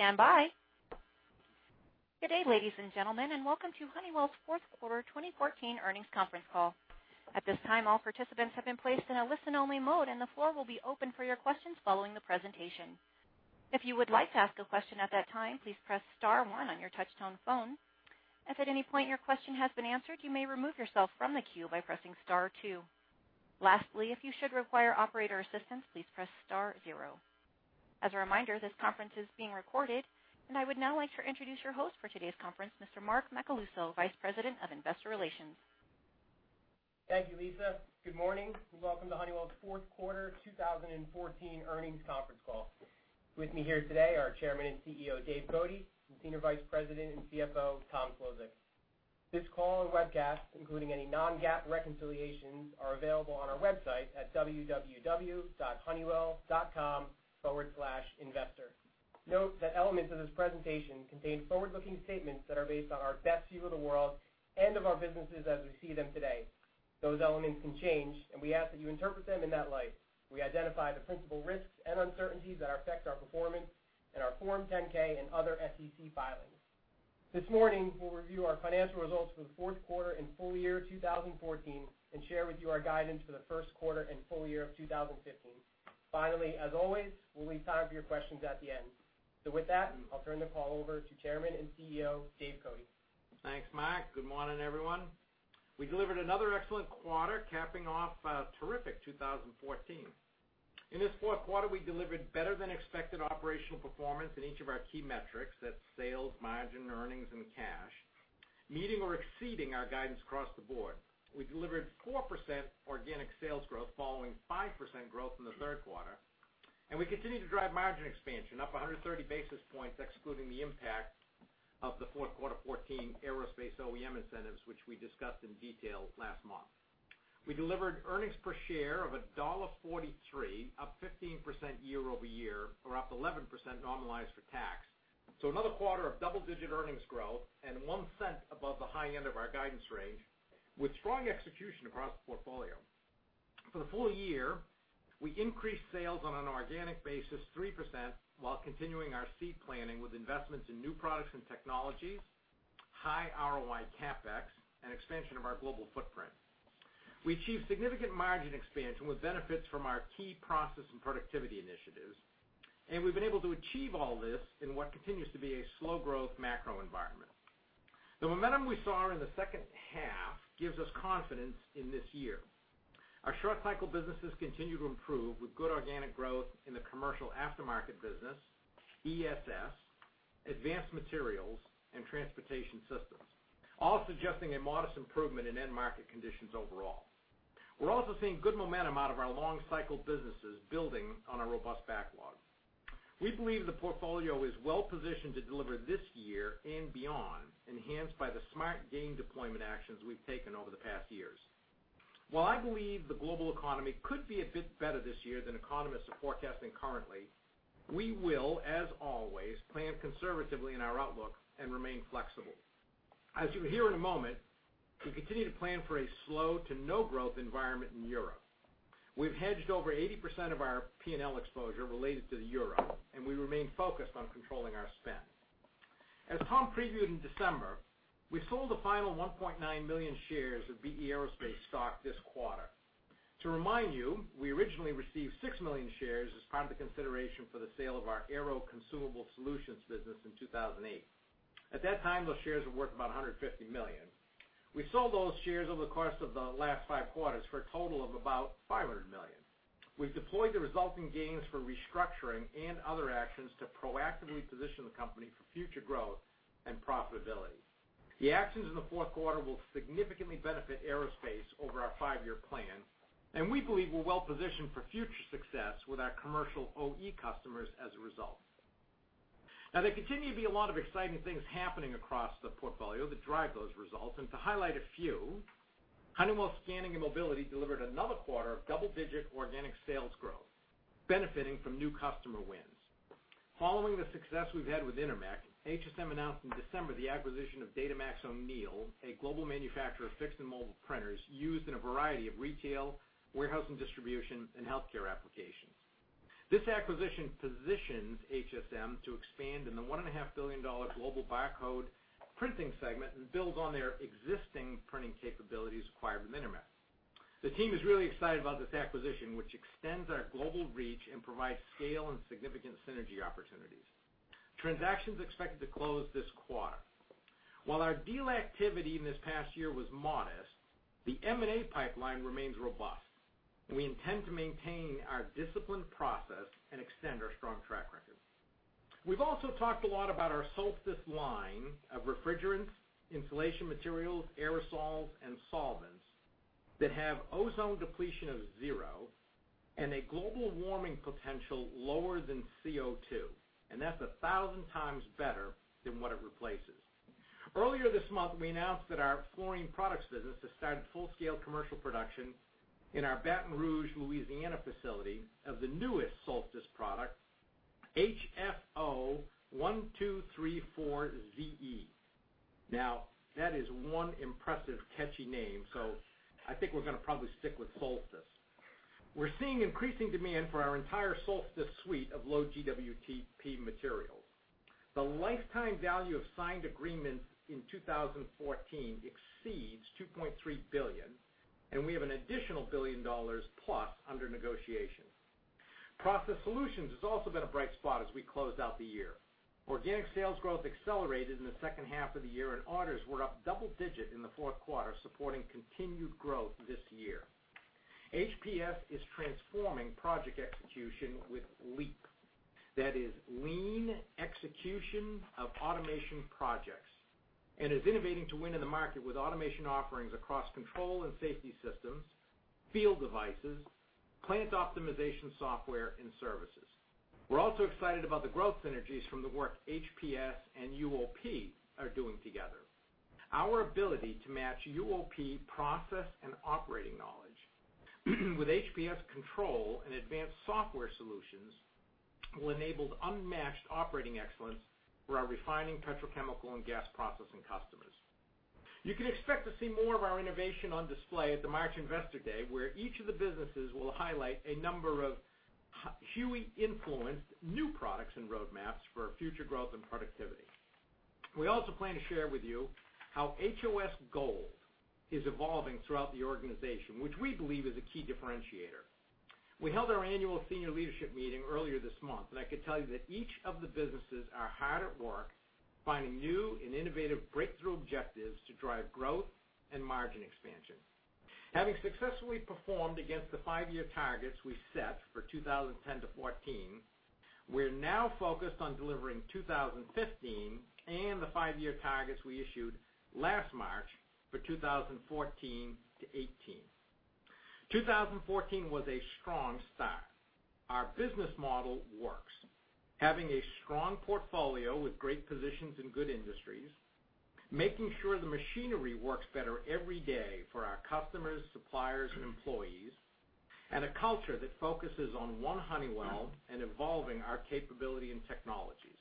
Stand by. Welcome to Honeywell's fourth quarter 2014 earnings conference call. At this time, all participants have been placed in a listen-only mode. The floor will be open for your questions following the presentation. If you would like to ask a question at that time, please press star one on your touchtone phone. If at any point your question has been answered, you may remove yourself from the queue by pressing star two. Lastly, if you should require operator assistance, please press star zero. As a reminder, this conference is being recorded. I would now like to introduce your host for today's conference, Mr. Mark Macaluso, Vice President of Investor Relations. Thank you, Lisa. Good morning. Welcome to Honeywell's fourth quarter 2014 earnings conference call. With me here today are Chairman and CEO, Dave Cote, and Senior Vice President and CFO, Tom Szlosek. This call and webcast, including any non-GAAP reconciliations, are available on our website at www.honeywell.com/investor. Note that elements of this presentation contain forward-looking statements that are based on our best view of the world and of our businesses as we see them today. Those elements can change. We ask that you interpret them in that light. We identify the principal risks and uncertainties that affect our performance in our Form 10-K and other SEC filings. This morning, we'll review our financial results for the fourth quarter and full year 2014. Share with you our guidance for the first quarter and full year of 2015. Finally, as always, we'll leave time for your questions at the end. With that, I'll turn the call over to Chairman and CEO, Dave Cote. Thanks, Mark. Good morning, everyone. We delivered another excellent quarter, capping off a terrific 2014. In this fourth quarter, we delivered better than expected operational performance in each of our key metrics. That's sales, margin, earnings. Cash, meeting or exceeding our guidance across the board. We delivered 4% organic sales growth following 5% growth in the third quarter. We continue to drive margin expansion up 130 basis points, excluding the impact of the fourth quarter 2014 Aerospace OEM incentives, which we discussed in detail last month. We delivered earnings per share of $1.43, up 15% year-over-year or up 11% normalized for tax. Another quarter of double-digit earnings growth and $0.01 above the high end of our guidance range with strong execution across the portfolio. For the full year, we increased sales on an organic basis 3%, while continuing our seed planning with investments in new products and technologies, high ROI CapEx, and expansion of our global footprint. We achieved significant margin expansion with benefits from our key process and productivity initiatives, and we've been able to achieve all this in what continues to be a slow growth macro environment. The momentum we saw in the second half gives us confidence in this year. Our short cycle businesses continue to improve with good organic growth in the commercial aftermarket business, ESS, Advanced Materials, and Transportation Systems, all suggesting a modest improvement in end market conditions overall. We're also seeing good momentum out of our long cycle businesses, building on our robust backlogs. We believe the portfolio is well positioned to deliver this year and beyond, enhanced by the smart gain deployment actions we've taken over the past years. While I believe the global economy could be a bit better this year than economists are forecasting currently, we will, as always, plan conservatively in our outlook and remain flexible. As you'll hear in a moment, we continue to plan for a slow to no growth environment in Europe. We've hedged over 80% of our P&L exposure related to the euro, and we remain focused on controlling our spend. As Tom previewed in December, we sold the final 1.9 million shares of B/E Aerospace stock this quarter. To remind you, we originally received 6 million shares as part of the consideration for the sale of our Aero Consumable Solutions business in 2008. At that time, those shares were worth about $150 million. We sold those shares over the course of the last five quarters for a total of about $500 million. We've deployed the resulting gains for restructuring and other actions to proactively position the company for future growth and profitability. The actions in the fourth quarter will significantly benefit aerospace over our five-year plan, and we believe we're well positioned for future success with our commercial OE customers as a result. There continue to be a lot of exciting things happening across the portfolio that drive those results, and to highlight a few, Honeywell Scanning & Mobility delivered another quarter of double-digit organic sales growth, benefiting from new customer wins. Following the success we've had with Intermec, HSM announced in December the acquisition of Datamax-O'Neil, a global manufacturer of fixed and mobile printers used in a variety of retail, warehouse and distribution, and healthcare applications. This acquisition positions HSM to expand in the $1.5 billion global barcode printing segment and builds on their existing printing capabilities acquired with Intermec. The team is really excited about this acquisition, which extends our global reach and provides scale and significant synergy opportunities. Transaction's expected to close this quarter. While our deal activity in this past year was modest, the M&A pipeline remains robust, and we intend to maintain our disciplined process and extend our strong track record. We've also talked a lot about our Solstice line of refrigerants, insulation materials, aerosols, and solvents that have ozone depletion of zero and a global warming potential lower than CO2, and that's 1,000 times better than what it replaces. Earlier this month, we announced that our Fluorine Products business has started full-scale commercial production in our Baton Rouge, Louisiana facility of the newest Solstice product, HFO-1234ze. Now, that is one impressive, catchy name, so I think we're going to probably stick with Solstice. We're seeing increasing demand for our entire Solstice suite of low GWP materials. The lifetime value of signed agreements in 2014 exceeds $2.3 billion, and we have an additional $1 billion plus under negotiation. Honeywell Process Solutions has also been a bright spot as we close out the year. Organic sales growth accelerated in the second half of the year, and orders were up double-digit in the fourth quarter, supporting continued growth this year. Honeywell Process Solutions is transforming project execution with LEAP. That is Lean Execution of Automation Projects and is innovating to win in the market with automation offerings across control and safety systems, field devices, plant optimization software, and services. We're also excited about the growth synergies from the work Honeywell Process Solutions and Honeywell UOP are doing together. Our ability to match Honeywell UOP process and operating knowledge with Honeywell Process Solutions control and Advanced Solutions software solutions will enable unmatched operating excellence for our refining, petrochemical, and gas processing customers. You can expect to see more of our innovation on display at the March Investor Day, where each of the businesses will highlight a number of HUE-influenced new products and roadmaps for future growth and productivity. We also plan to share with you how HOS Gold is evolving throughout the organization, which we believe is a key differentiator. We held our annual senior leadership meeting earlier this month, and I can tell you that each of the businesses are hard at work finding new and innovative breakthrough objectives to drive growth and margin expansion. Having successfully performed against the five-year targets we set for 2010 to 2014, we're now focused on delivering 2015 and the five-year targets we issued last March for 2014 to 2018. 2014 was a strong start. Our business model works. Having a strong portfolio with great positions in good industries, making sure the machinery works better every day for our customers, suppliers, and employees, and a culture that focuses on One Honeywell and evolving our capability and technologies.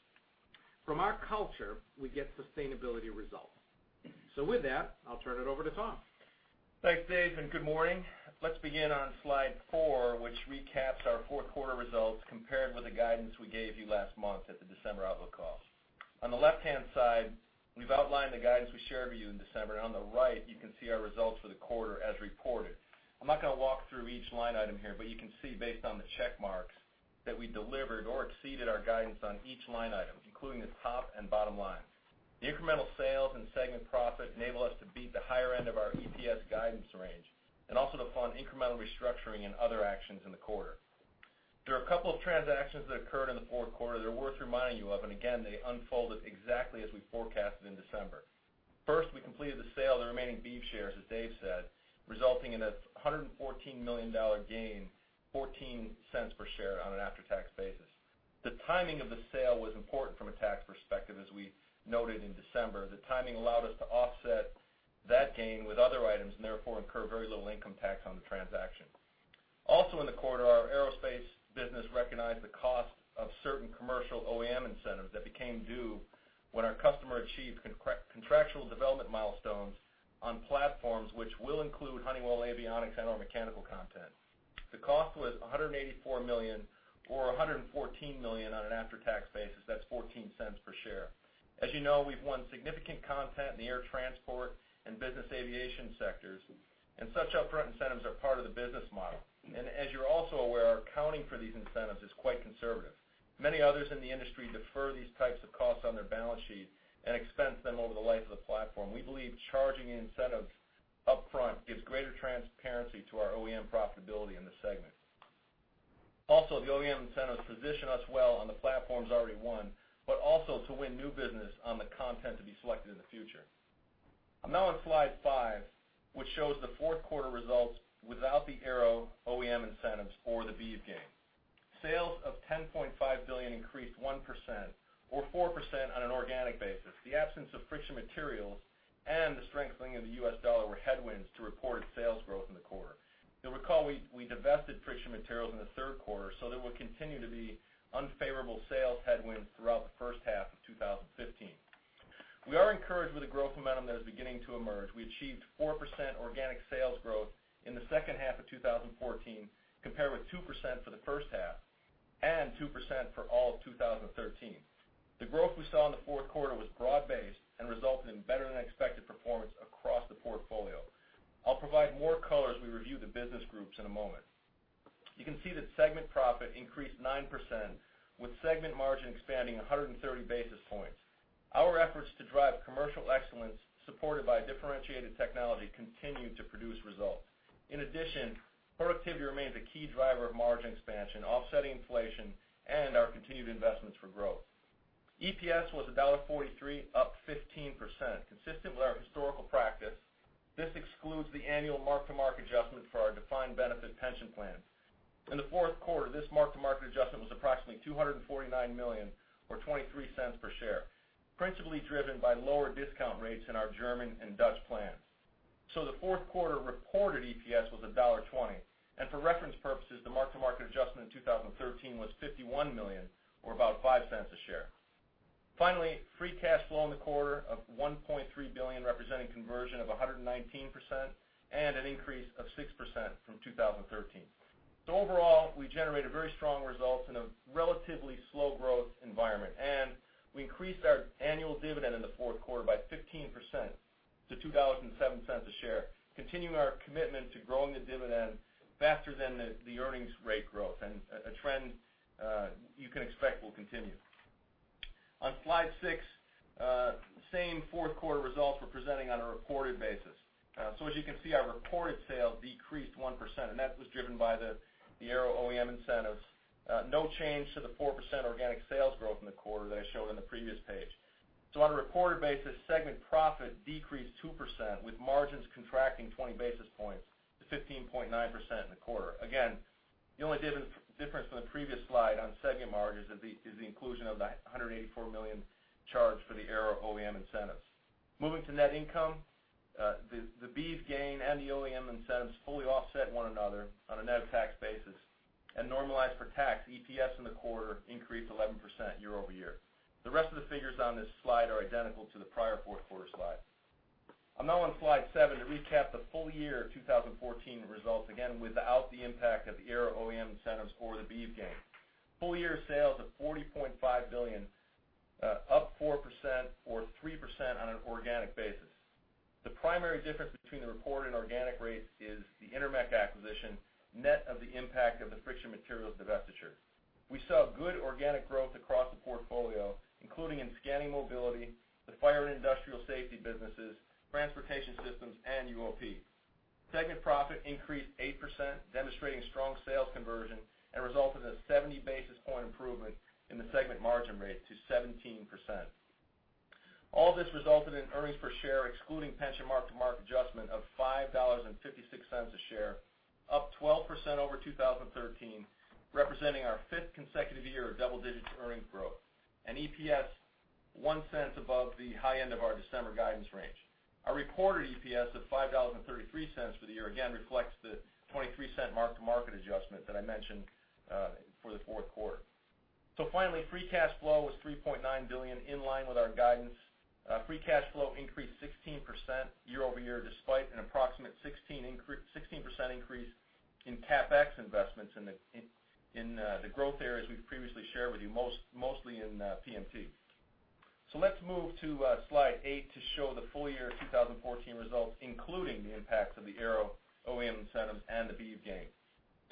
From our culture, we get sustainability results. With that, I'll turn it over to Tom. Thanks, Dave, and good morning. Let's begin on slide four, which recaps our fourth quarter results compared with the guidance we gave you last month at the December outlook call. On the left-hand side, we've outlined the guidance we shared with you in December, and on the right, you can see our results for the quarter as reported. I'm not going to walk through each line item here, but you can see based on the check marks that we delivered or exceeded our guidance on each line item, including the top and bottom line. The incremental sales and segment profit enable us to beat the higher end of our EPS guidance range and also to fund incremental restructuring and other actions in the quarter. There are a couple of transactions that occurred in the fourth quarter that are worth reminding you of. Again, they unfolded exactly as we forecasted in December. First, we completed the sale of the remaining BEAV shares, as Dave said, resulting in a $114 million gain, $0.14 per share on an after-tax basis. The timing of the sale was important from a tax perspective, as we noted in December. The timing allowed us to offset that gain with other items and therefore incur very little income tax on the transaction. Also in the quarter, our Aerospace business recognized the cost of certain commercial OEM incentives that became due when our customer achieved contractual development milestones on platforms which will include Honeywell Avionics and our mechanical content. The cost was $184 million, or $114 million on an after-tax basis. That's $0.14 per share. As you know, we've won significant content in the air transport and business aviation sectors. Such upfront incentives are part of the business model. As you're also aware, our accounting for these incentives is quite conservative. Many others in the industry defer these types of costs on their balance sheet and expense them over the life of the platform. We believe charging incentives up front gives greater transparency to our OEM profitability in the segment. Also, the OEM incentives position us well on the platforms already won, also to win new business on the content to be selected in the future. I'm now on slide five, which shows the fourth quarter results without the Aero OEM incentives or the BEAV gain. Sales of $10.5 billion increased 1%, or 4% on an organic basis. The absence of Friction Materials and the strengthening of the U.S. dollar were headwinds to reported sales growth in the quarter. You'll recall we divested Friction Materials in the third quarter. There will continue to be unfavorable sales headwinds throughout the first half of 2015. We are encouraged with the growth momentum that is beginning to emerge. We achieved 4% organic sales growth in the second half of 2014, compared with 2% for the first half and 2% for all of 2013. The growth we saw in the fourth quarter was broad-based and resulted in better-than-expected performance across the portfolio. I'll provide more color as we review the business groups in a moment. You can see that segment profit increased 9%, with segment margin expanding 130 basis points. Our efforts to drive commercial excellence, supported by differentiated technology, continued to produce results. In addition, productivity remains a key driver of margin expansion, offsetting inflation and our continued investments for growth. EPS was $1.43, up 15%. Consistent with our historical practice, this excludes the annual mark-to-market adjustment for our defined benefit pension plan. In the fourth quarter, this mark-to-market adjustment was approximately $249 million, or $0.23 per share, principally driven by lower discount rates in our German and Dutch plans. The fourth quarter reported EPS was $1.20. For reference purposes, the mark-to-market adjustment in 2013 was $51 million, or about $0.05 a share. Finally, free cash flow in the quarter of $1.3 billion, representing conversion of 119% and an increase of 6% from 2013. Overall, we generated very strong results in a relatively slow growth environment, and we increased our annual dividend in the fourth quarter by 15% to $2.07 a share, continuing our commitment to growing the dividend faster than the earnings rate growth and a trend you can expect will continue. On slide six, same fourth quarter results we're presenting on a reported basis. As you can see, our reported sales decreased 1%, and that was driven by the Aero OEM incentives. No change to the 4% organic sales growth in the quarter that I showed on the previous page. On a reported basis, segment profit decreased 2%, with margins contracting 20 basis points to 15.9% in the quarter. Again, the only difference from the previous slide on segment margins is the inclusion of the $184 million charge for the Aero OEM incentives. Moving to net income, the BEAV gain and the OEM incentives fully offset one another on a net tax basis, and normalized for tax, EPS in the quarter increased 11% year-over-year. The rest of the figures on this slide are identical to the prior fourth quarter slide. I'm now on slide seven to recap the full year 2014 results, again, without the impact of the Aero OEM incentives or the BEAV gain. Full year sales of $40.5 billion, up 4% or 3% on an organic basis. The primary difference between the reported and organic rates is the Intermec acquisition, net of the impact of the Friction Materials divestiture. We saw good organic growth across the portfolio, including in Scanning & Mobility, the fire and industrial safety businesses, Transportation Systems, and UOP. Segment profit increased 8%, demonstrating strong sales conversion, and resulted in a 70-basis point improvement in the segment margin rate to 17%. All this resulted in earnings per share, excluding pension mark-to-market adjustment, of $5.56 a share, up 12% over 2013, representing our fifth consecutive year of double-digit earnings growth and EPS one cent above the high end of our December guidance range. Our reported EPS of $5.33 for the year again reflects the $0.23 mark-to-market adjustment that I mentioned for the fourth quarter. Finally, free cash flow was $3.9 billion, in line with our guidance. Free cash flow increased 16% year-over-year, despite an approximate 16% increase in CapEx investments in the growth areas we've previously shared with you, mostly in PMT. Let's move to slide eight to show the full year 2014 results, including the impacts of the Aero OEM incentives and the BEAV gain.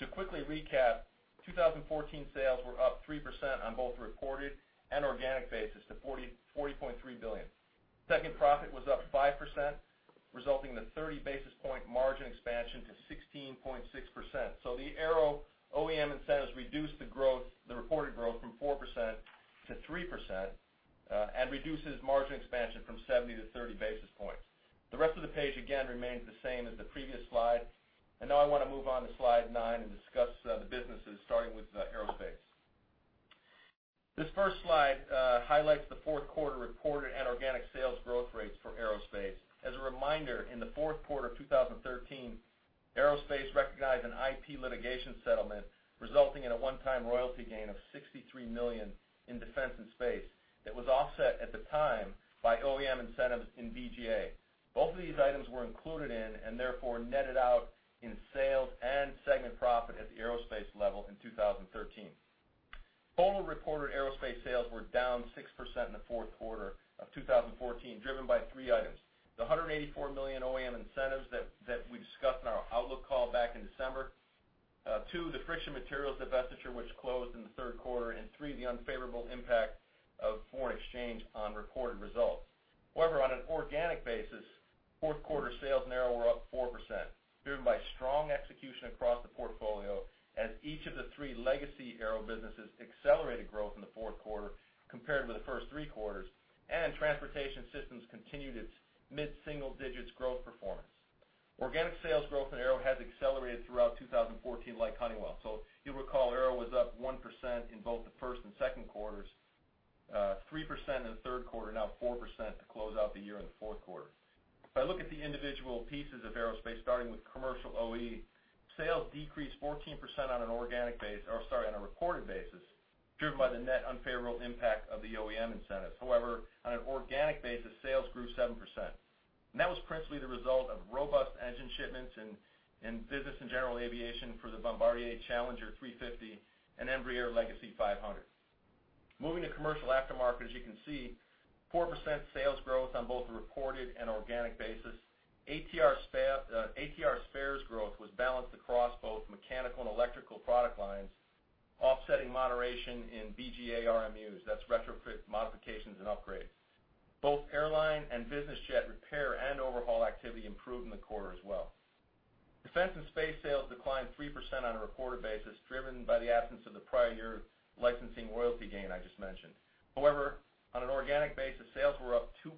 To quickly recap, 2014 sales were up 3% on both reported and organic basis to $40.3 billion. Segment profit was up 5%, resulting in a 30-basis point margin expansion to 16.6%. The Aero OEM incentives reduced the reported growth from 4% to 3% and reduces margin expansion from 70 to 30 basis points. The rest of the page, again, remains the same as the previous slide. Now I want to move on to slide nine and discuss the businesses, starting with Aerospace. This first slide highlights the fourth quarter reported and organic sales growth rates for Aerospace. As a reminder, in the fourth quarter of 2013, Aerospace recognized an IP litigation settlement, resulting in a one-time royalty gain of $63 million in Defense and Space that was offset at the time by OEM incentives in BGA. Both of these items were included in and therefore netted out in sales and segment profit at the Aerospace level in 2013. Total reported Aerospace sales were down 6% in the fourth quarter of 2014, driven by three items. The $184 million OEM incentives that we discussed on our outlook call back in December. 2, the Friction Materials divestiture, which closed in the third quarter, and 3, the unfavorable impact of foreign exchange on reported results. However, on an organic basis, fourth quarter sales in Aero were up 4%, driven by strong execution across the portfolio as each of the three legacy Aero businesses accelerated growth in the fourth quarter compared with the first three quarters, and Transportation Systems continued its mid-single digits growth performance. Organic sales growth in Aero has accelerated throughout 2014 like Honeywell. If you recall, Aero was up 1% in both the first and second quarters, 3% in the third quarter, now 4% to close out the year in the fourth quarter. If I look at the individual pieces of Aerospace, starting with commercial OE, sales decreased 14% on a reported basis, driven by the net unfavorable impact of the OEM incentives. However, on an organic basis, sales grew 7%. That was principally the result of robust engine shipments in business and general aviation for the Bombardier Challenger 350 and Embraer Legacy 500. Moving to commercial aftermarket, as you can see, 4% sales growth on both a reported and organic basis. ATR spares growth was balanced across both mechanical and electrical product lines, offsetting moderation in BGA RMUs. That's Retrofit, Modifications, and Upgrades. Both airline and business jet repair and overhaul activity improved in the quarter as well. Defense and Space sales declined 3% on a reported basis, driven by the absence of the prior year licensing royalty gain I just mentioned. However, on an organic basis, sales were up 2%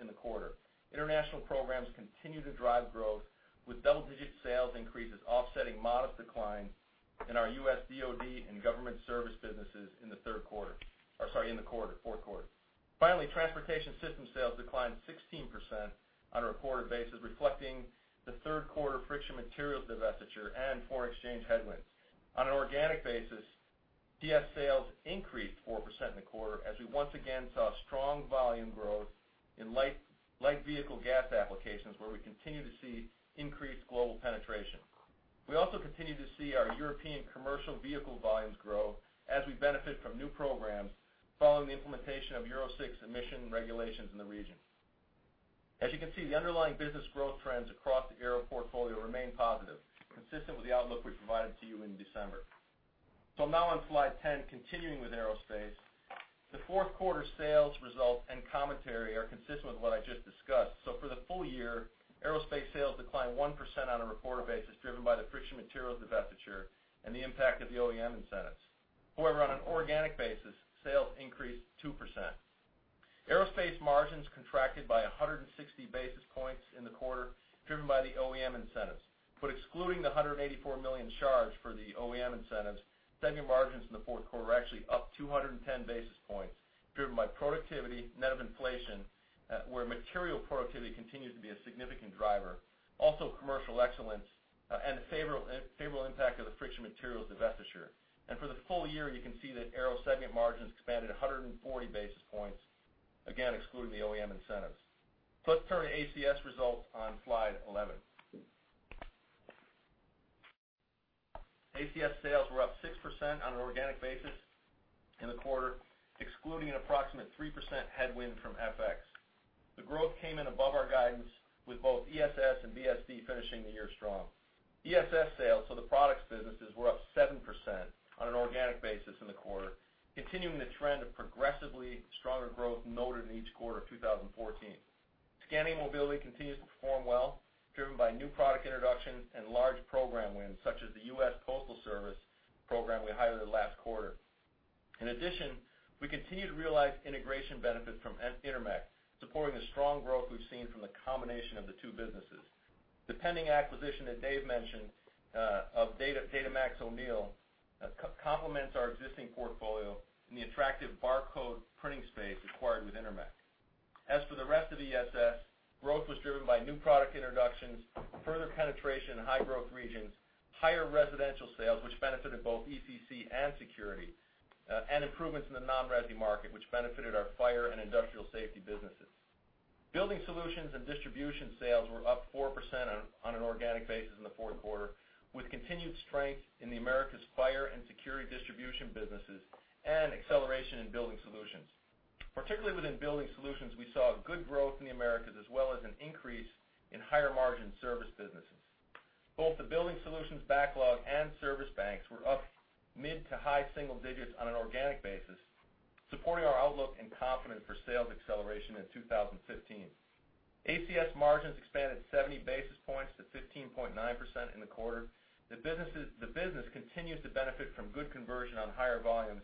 in the quarter. International programs continue to drive growth, with double-digit sales increases offsetting modest declines in our U.S. DOD and government service businesses in the fourth quarter. Transportation Systems sales declined 16% on a reported basis, reflecting the third quarter Friction Materials divestiture and foreign exchange headwinds. On an organic basis, TS sales increased 4% in the quarter as we once again saw strong volume growth in light vehicle gas applications, where we continue to see increased global penetration. We also continue to see our European commercial vehicle volumes grow as we benefit from new programs following the implementation of Euro 6 emission regulations in the region. As you can see, the underlying business growth trends across the Aero portfolio remain positive, consistent with the outlook we provided to you in December. I'm now on slide 10, continuing with Aerospace. The fourth quarter sales results and commentary are consistent with what I just discussed. For the full year, Aerospace sales declined 1% on a reported basis, driven by the Friction Materials divestiture and the impact of the OEM incentives. However, on an organic basis, sales increased 2%. Aerospace margins contracted by 160 basis points in the quarter, driven by the OEM incentives. Excluding the $184 million charge for the OEM incentives, segment margins in the fourth quarter were actually up 210 basis points, driven by productivity, net of inflation, where material productivity continues to be a significant driver, also commercial excellence, and the favorable impact of the Friction Materials divestiture. For the full year, you can see that Aero segment margins expanded 140 basis points, again, excluding the OEM incentives. Let's turn to ACS results on slide 11. ACS sales were up 6% on an organic basis in the quarter, excluding an approximate 3% headwind from FX. The growth came in above our guidance, with both ESS and BSD finishing the year strong. ESS sales for the products businesses were up 7% on an organic basis in the quarter, continuing the trend of progressively stronger growth noted in each quarter of 2014. Scanning Mobility continues to perform well, driven by new product introductions and large program wins, such as the U.S. Postal Service program we highlighted last quarter. In addition, we continue to realize integration benefits from Intermec, supporting the strong growth we've seen from the combination of the two businesses. The pending acquisition that Dave mentioned of Datamax-O'Neil complements our existing portfolio in the attractive barcode printing space acquired with Intermec. As for the rest of ESS, growth was driven by new product introductions, further penetration in High Growth Regions, higher residential sales, which benefited both ECC and security, and improvements in the non-resi market, which benefited our fire and industrial safety businesses. Building Solutions and Distribution sales were up 4% on an organic basis in the fourth quarter, with continued strength in the Americas fire and security distribution businesses and acceleration in Building Solutions. Particularly within Building Solutions, we saw good growth in the Americas, as well as an increase in higher-margin service businesses. Both the Building Solutions backlog and service banks were up mid to high single digits on an organic basis, supporting our outlook and confidence for sales acceleration in 2015. ACS margins expanded 70 basis points to 15.9% in the quarter. The business continues to benefit from good conversion on higher volumes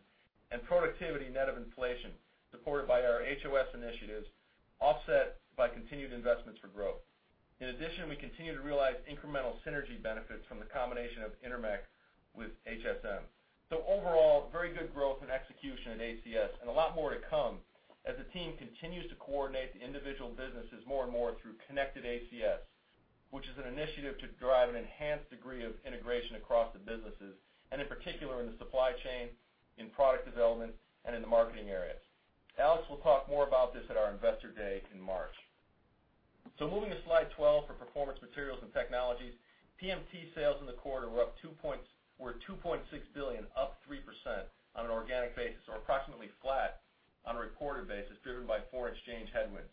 and productivity net of inflation, supported by our HOS initiatives, offset by continued investments for growth. In addition, we continue to realize incremental synergy benefits from the combination of Intermec with HSM. Overall, very good growth and execution at ACS and a lot more to come as the team continues to coordinate the individual businesses more and more through Connected ACS, which is an initiative to drive an enhanced degree of integration across the businesses, and in particular, in the supply chain, in product development, and in the marketing areas. Alex will talk more about this at our Investor Day in March. Moving to slide 12 for Performance Materials & Technologies, PMT sales in the quarter were $2.6 billion, up 3% on an organic basis, or approximately flat on a reported basis, driven by foreign exchange headwinds.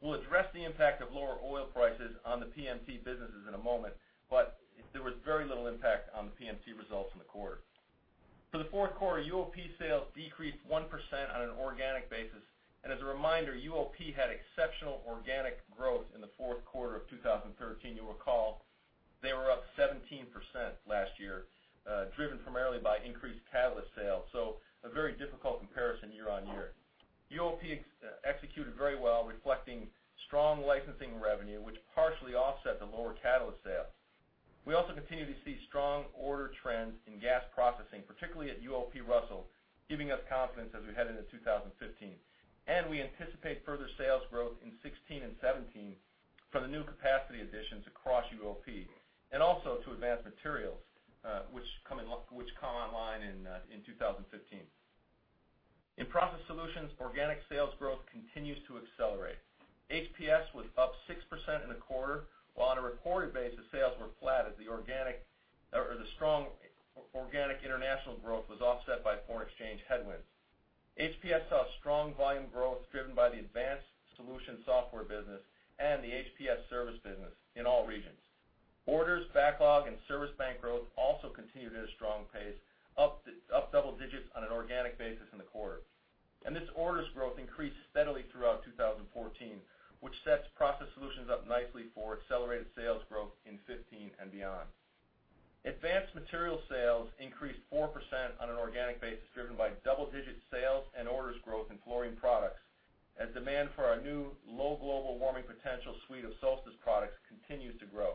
We'll address the impact of lower oil prices on the PMT businesses in a moment, but there was very little impact on the PMT results in the quarter. For the fourth quarter, UOP sales decreased 1% on an organic basis. As a reminder, UOP had exceptional organic growth in the fourth quarter of 2013. You'll recall, they were up 17% last year, driven primarily by increased catalyst sales. A very difficult comparison year-over-year. UOP executed very well, reflecting strong licensing revenue, which partially offset the lower catalyst sales. We also continue to see strong order trends in gas processing, particularly at UOP Russell, giving us confidence as we head into 2015. We anticipate further sales growth in 2016 and 2017 from the new capacity additions across UOP, and also to Advanced Materials, which come online in 2015. In Process Solutions, organic sales growth continues to accelerate. HPS was up 6% in the quarter, while on a reported basis, sales were flat as the strong organic international growth was offset by foreign exchange headwinds. HPS saw strong volume growth driven by the Advanced Solutions software business and the HPS service business in all regions. Orders, backlog, and service bank growth also continued at a strong pace, up double digits on an organic basis in the quarter. This orders growth increased steadily throughout 2014, which sets Process Solutions up nicely for accelerated sales growth in 2015 and beyond. Advanced Materials sales increased 4% on an organic basis, driven by double-digit sales and orders growth in Fluorine Products as demand for our new low global warming potential suite of Solstice products continues to grow.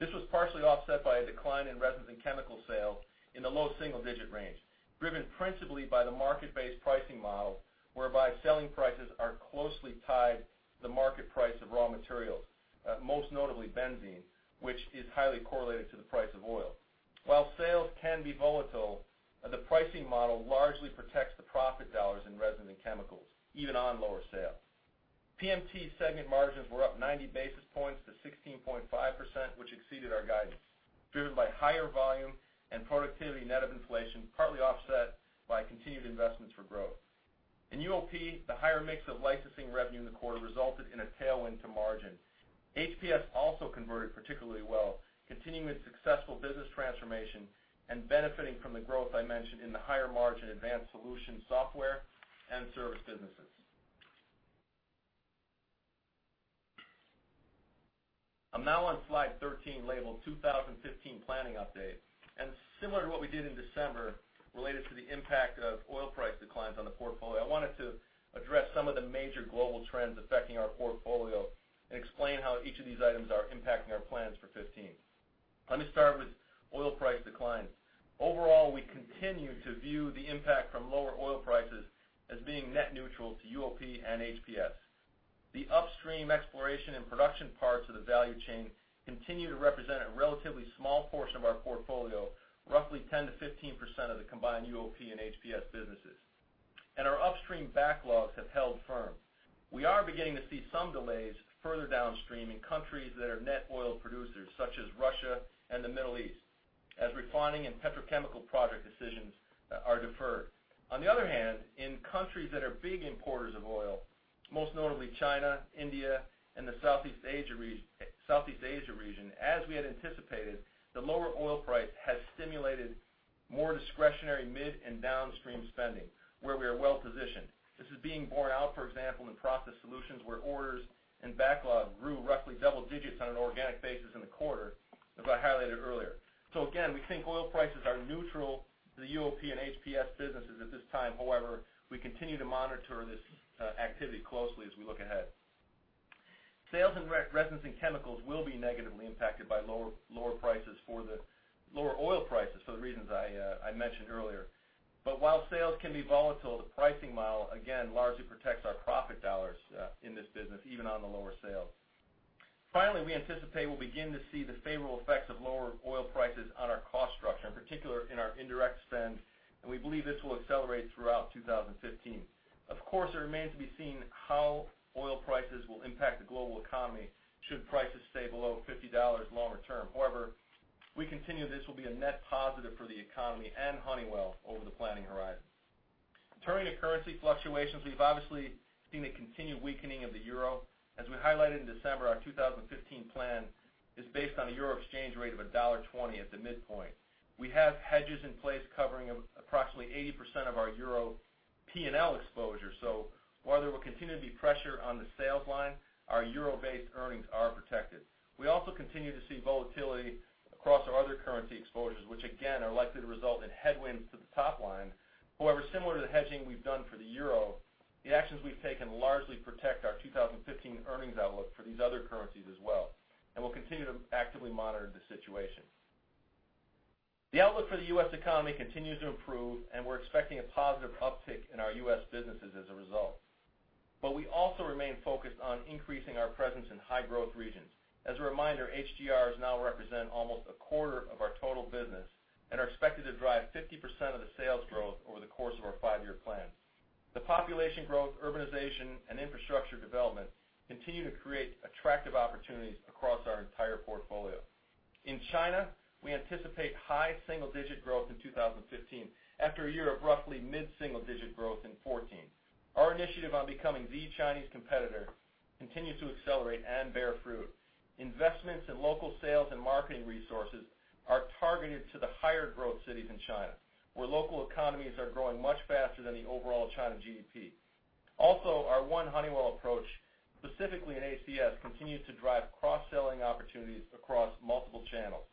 This was partially offset by a decline in resins and chemical sales in the low single-digit range, driven principally by the market-based pricing model, whereby selling prices are closely tied to the market price of raw materials. Most notably benzene, which is highly correlated to the price of oil. While sales can be volatile, the pricing model largely protects the profit dollars in resin and chemicals, even on lower sales. PMT segment margins were up 90 basis points to 16.5%, which exceeded our guidance, driven by higher volume and productivity net of inflation, partly offset by continued investments for growth. In UOP, the higher mix of licensing revenue in the quarter resulted in a tailwind to margin. HPS also converted particularly well, continuing its successful business transformation and benefiting from the growth I mentioned in the higher-margin Advanced Solutions software and service businesses. I'm now on slide 13, labeled 2015 planning update. Similar to what we did in December related to the impact of oil price declines on the portfolio, I wanted to address some of the major global trends affecting our portfolio and explain how each of these items are impacting our plans for 2015. Let me start with oil price declines. Overall, we continue to view the impact from lower oil prices as being net neutral to UOP and HPS. The upstream exploration and production parts of the value chain continue to represent a relatively small portion of our portfolio, roughly 10%-15% of the combined UOP and HPS businesses, and our upstream backlogs have held firm. We are beginning to see some delays further downstream in countries that are net oil producers, such as Russia and the Middle East, as refining and petrochemical project decisions are deferred. On the other hand, in countries that are big importers of oil, most notably China, India, and the Southeast Asia region, as we had anticipated, the lower oil price has stimulated more discretionary mid and downstream spending, where we are well positioned. This is being borne out, for example, in Process Solutions, where orders and backlog grew roughly double digits on an organic basis in the quarter, as I highlighted earlier. Again, we think oil prices are neutral to the UOP and HPS businesses at this time. However, we continue to monitor this activity closely as we look ahead. Sales in resins and chemicals will be negatively impacted by lower oil prices for the reasons I mentioned earlier. While sales can be volatile, the pricing model again largely protects our profit dollars in this business, even on the lower sales. Finally, we anticipate we'll begin to see the favorable effects of lower oil prices on our cost structure, in particular in our indirect spend, and we believe this will accelerate throughout 2015. Of course, it remains to be seen how oil prices will impact the global economy should prices stay below $50 longer term. However, we continue this will be a net positive for the economy and Honeywell over the planning horizon. Turning to currency fluctuations, we've obviously seen the continued weakening of the euro. As we highlighted in December, our 2015 plan is based on a euro exchange rate of $1.20 at the midpoint. We have hedges in place covering approximately 80% of our euro P&L exposure. While there will continue to be pressure on the sales line, our euro-based earnings are protected. We also continue to see volatility across our other currency exposures, which again are likely to result in headwinds to the top line. However, similar to the hedging we've done for the euro, the actions we've taken largely protect our 2015 earnings outlook for these other currencies as well, and we'll continue to actively monitor the situation. The outlook for the U.S. economy continues to improve, and we're expecting a positive uptick in our U.S. businesses as a result. We also remain focused on increasing our presence in High Growth Regions. As a reminder, HGRs now represent almost a quarter of our total business and are expected to drive 50% of the sales growth over the course of our five-year plan. The population growth, urbanization, and infrastructure development continue to create attractive opportunities across our entire portfolio. In China, we anticipate high single-digit growth in 2015 after a year of roughly mid-single-digit growth in 2014. Our initiative on becoming the Chinese competitor continues to accelerate and bear fruit. Investments in local sales and marketing resources are targeted to the higher-growth cities in China, where local economies are growing much faster than the overall China GDP. Our One Honeywell approach, specifically in ACS, continues to drive cross-selling opportunities across multiple channels.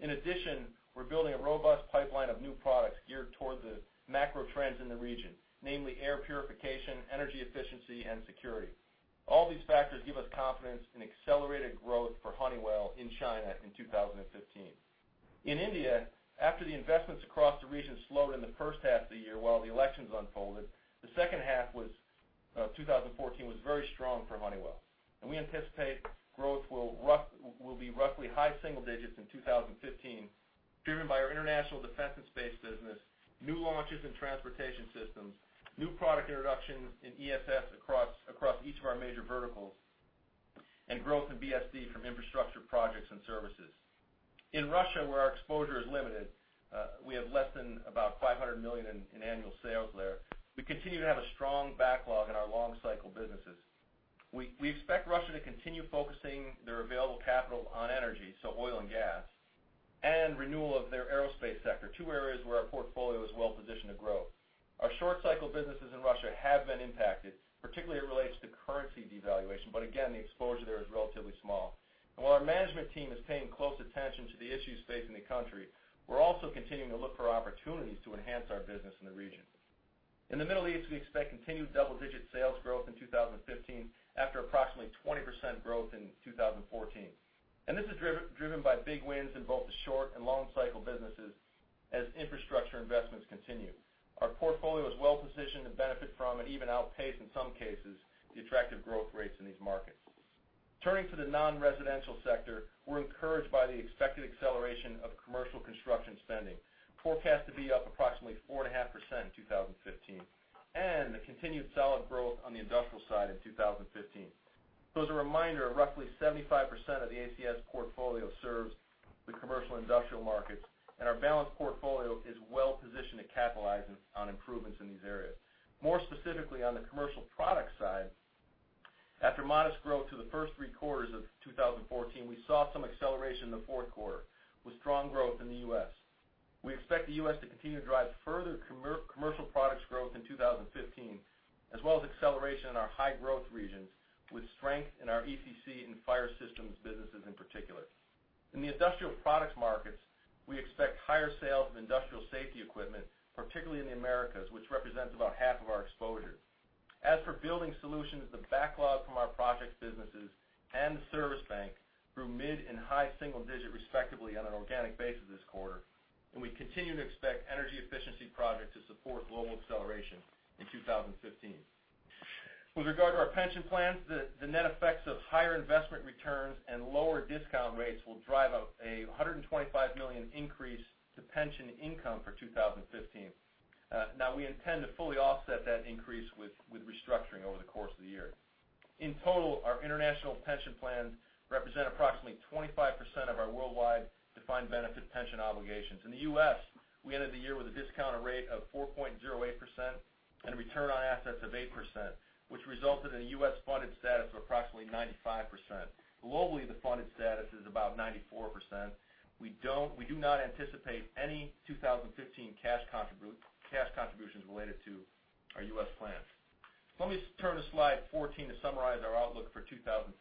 In addition, we're building a robust pipeline of new products geared toward the macro trends in the region, namely air purification, energy efficiency, and security. All these factors give us confidence in accelerated growth for Honeywell in China in 2015. In India, after the investments across the region slowed in the first half of the year while the elections unfolded, the second half of 2014 was very strong for Honeywell, and we anticipate growth will be roughly high single digits in 2015, driven by our international Defense and Space business, new launches in Transportation Systems, new product introductions in ESS across each of our major verticals, and growth in BSD from infrastructure projects and services. In Russia, where our exposure is limited, we have less than about $500 million in annual sales there. We continue to have a strong backlog in our long-cycle businesses. We expect Russia to continue focusing their available capital on energy, so oil and gas, and renewal of their aerospace sector, two areas where our portfolio is well positioned to grow. Our short-cycle businesses in Russia have been impacted, particularly as it relates to currency devaluation, but again, the exposure there is relatively small. While our management team is paying close attention to the issues facing the country, we're also continuing to look for opportunities to enhance our business in the region. In the Middle East, we expect continued double-digit sales growth in 2015 after approximately 20% growth in 2014. This is driven by big wins in both the short and long cycle businesses as infrastructure investments continue. Our portfolio is well positioned to benefit from, and even outpace in some cases, the attractive growth rates in these markets. Turning to the non-residential sector, we're encouraged by the expected acceleration of commercial construction spending, forecast to be up approximately 4.5% in 2015, and the continued solid growth on the industrial side in 2015. As a reminder, roughly 75% of the ACS portfolio serves the commercial industrial markets, and our balanced portfolio is well positioned to capitalize on improvements in these areas. More specifically, on the commercial product side, after modest growth through the first three quarters of 2014, we saw some acceleration in the fourth quarter, with strong growth in the U.S. We expect the U.S. to continue to drive further commercial products growth in 2015, as well as acceleration in our High Growth Regions, with strength in our ECC and fire systems businesses in particular. In the industrial products markets, we expect higher sales of industrial safety equipment, particularly in the Americas, which represents about half of our exposure. As for Building Solutions, the backlog from our projects businesses and the service bank grew mid and high single digit, respectively, on an organic basis this quarter, and we continue to expect energy efficiency projects to support global acceleration in 2015. With regard to our pension plans, the net effects of higher investment returns and lower discount rates will drive a $125 million increase to pension income for 2015. We intend to fully offset that increase with restructuring over the course of the year. In total, our international pension plans represent approximately 25% of our worldwide defined benefit pension obligations. In the U.S., we ended the year with a discounted rate of 4.08% and a return on assets of 8%, which resulted in a U.S.-funded status of approximately 95%. Globally, the funded status is about 94%. We do not anticipate any 2015 cash contributions related to our U.S. plans. Let me turn to slide 14 to summarize our outlook for 2015.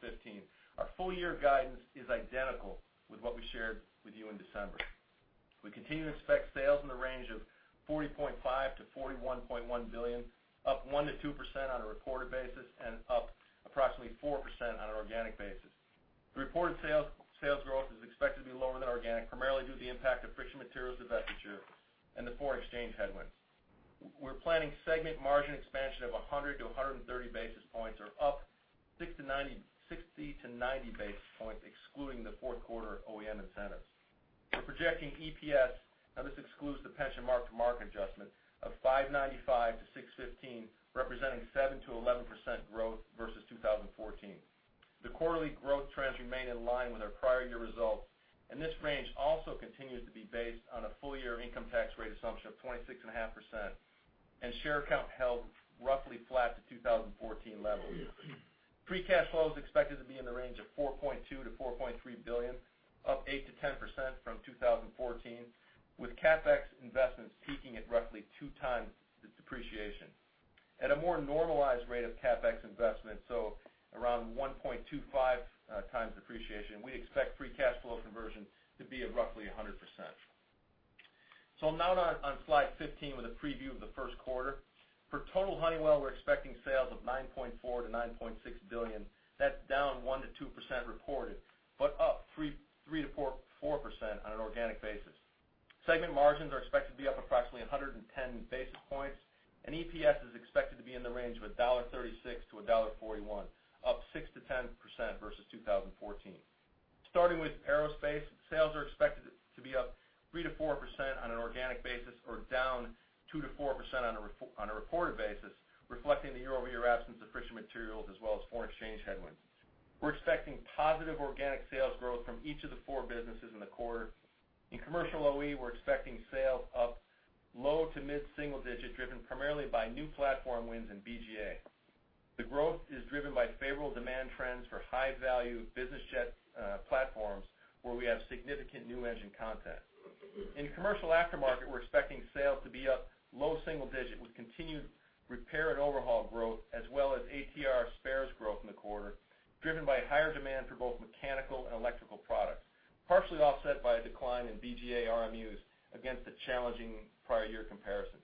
Our full-year guidance is identical with what we shared with you in December. We continue to expect sales in the range of $40.5 billion-$41.1 billion, up 1%-2% on a reported basis, and up approximately 4% on an organic basis. The reported sales growth is expected to be lower than organic, primarily due to the impact of Friction Materials divestiture and the foreign exchange headwinds. We're planning segment margin expansion of 100-130 basis points, or up 60-90 basis points, excluding the fourth quarter OEM incentives. We're projecting EPS, this excludes the pension mark-to-market adjustment, of $5.95-$6.15, representing 7%-11% growth versus 2014. The quarterly growth trends remain in line with our prior year results. This range also continues to be based on a full-year income tax rate assumption of 26.5%, and share count held roughly flat to 2014 levels. Free cash flow is expected to be in the range of $4.2 billion-$4.3 billion, up 8%-10% from 2014, with CapEx investments peaking at roughly 2x the depreciation. At a more normalized rate of CapEx investment, around 1.25x depreciation, we expect free cash flow conversion to be at roughly 100%. Now on slide 15 with a preview of the first quarter. For total Honeywell, we're expecting sales of $9.4 billion-$9.6 billion. That's down 1%-2% reported, but up 3%-4% on an organic basis. Segment margins are expected to be up approximately 110 basis points, and EPS is expected to be in the range of $1.36-$1.41, up 6%-10% versus 2014. Starting with Aerospace, sales are expected to be up 3%-4% on an organic basis or down 2%-4% on a reported basis, reflecting the year-over-year absence of Friction Materials as well as foreign exchange headwinds. We're expecting positive organic sales growth from each of the four businesses in the quarter. In commercial OE, we're expecting sales up low to mid single digit, driven primarily by new platform wins in BGA. The growth is driven by favorable demand trends for high-value business jet platforms where we have significant new engine content. In commercial aftermarket, we're expecting sales to be up low single digit with continued repair and overhaul growth, as well as ATR spares growth in the quarter, driven by higher demand for both mechanical and electrical products, partially offset by a decline in BGA RMUs against the challenging prior year comparisons.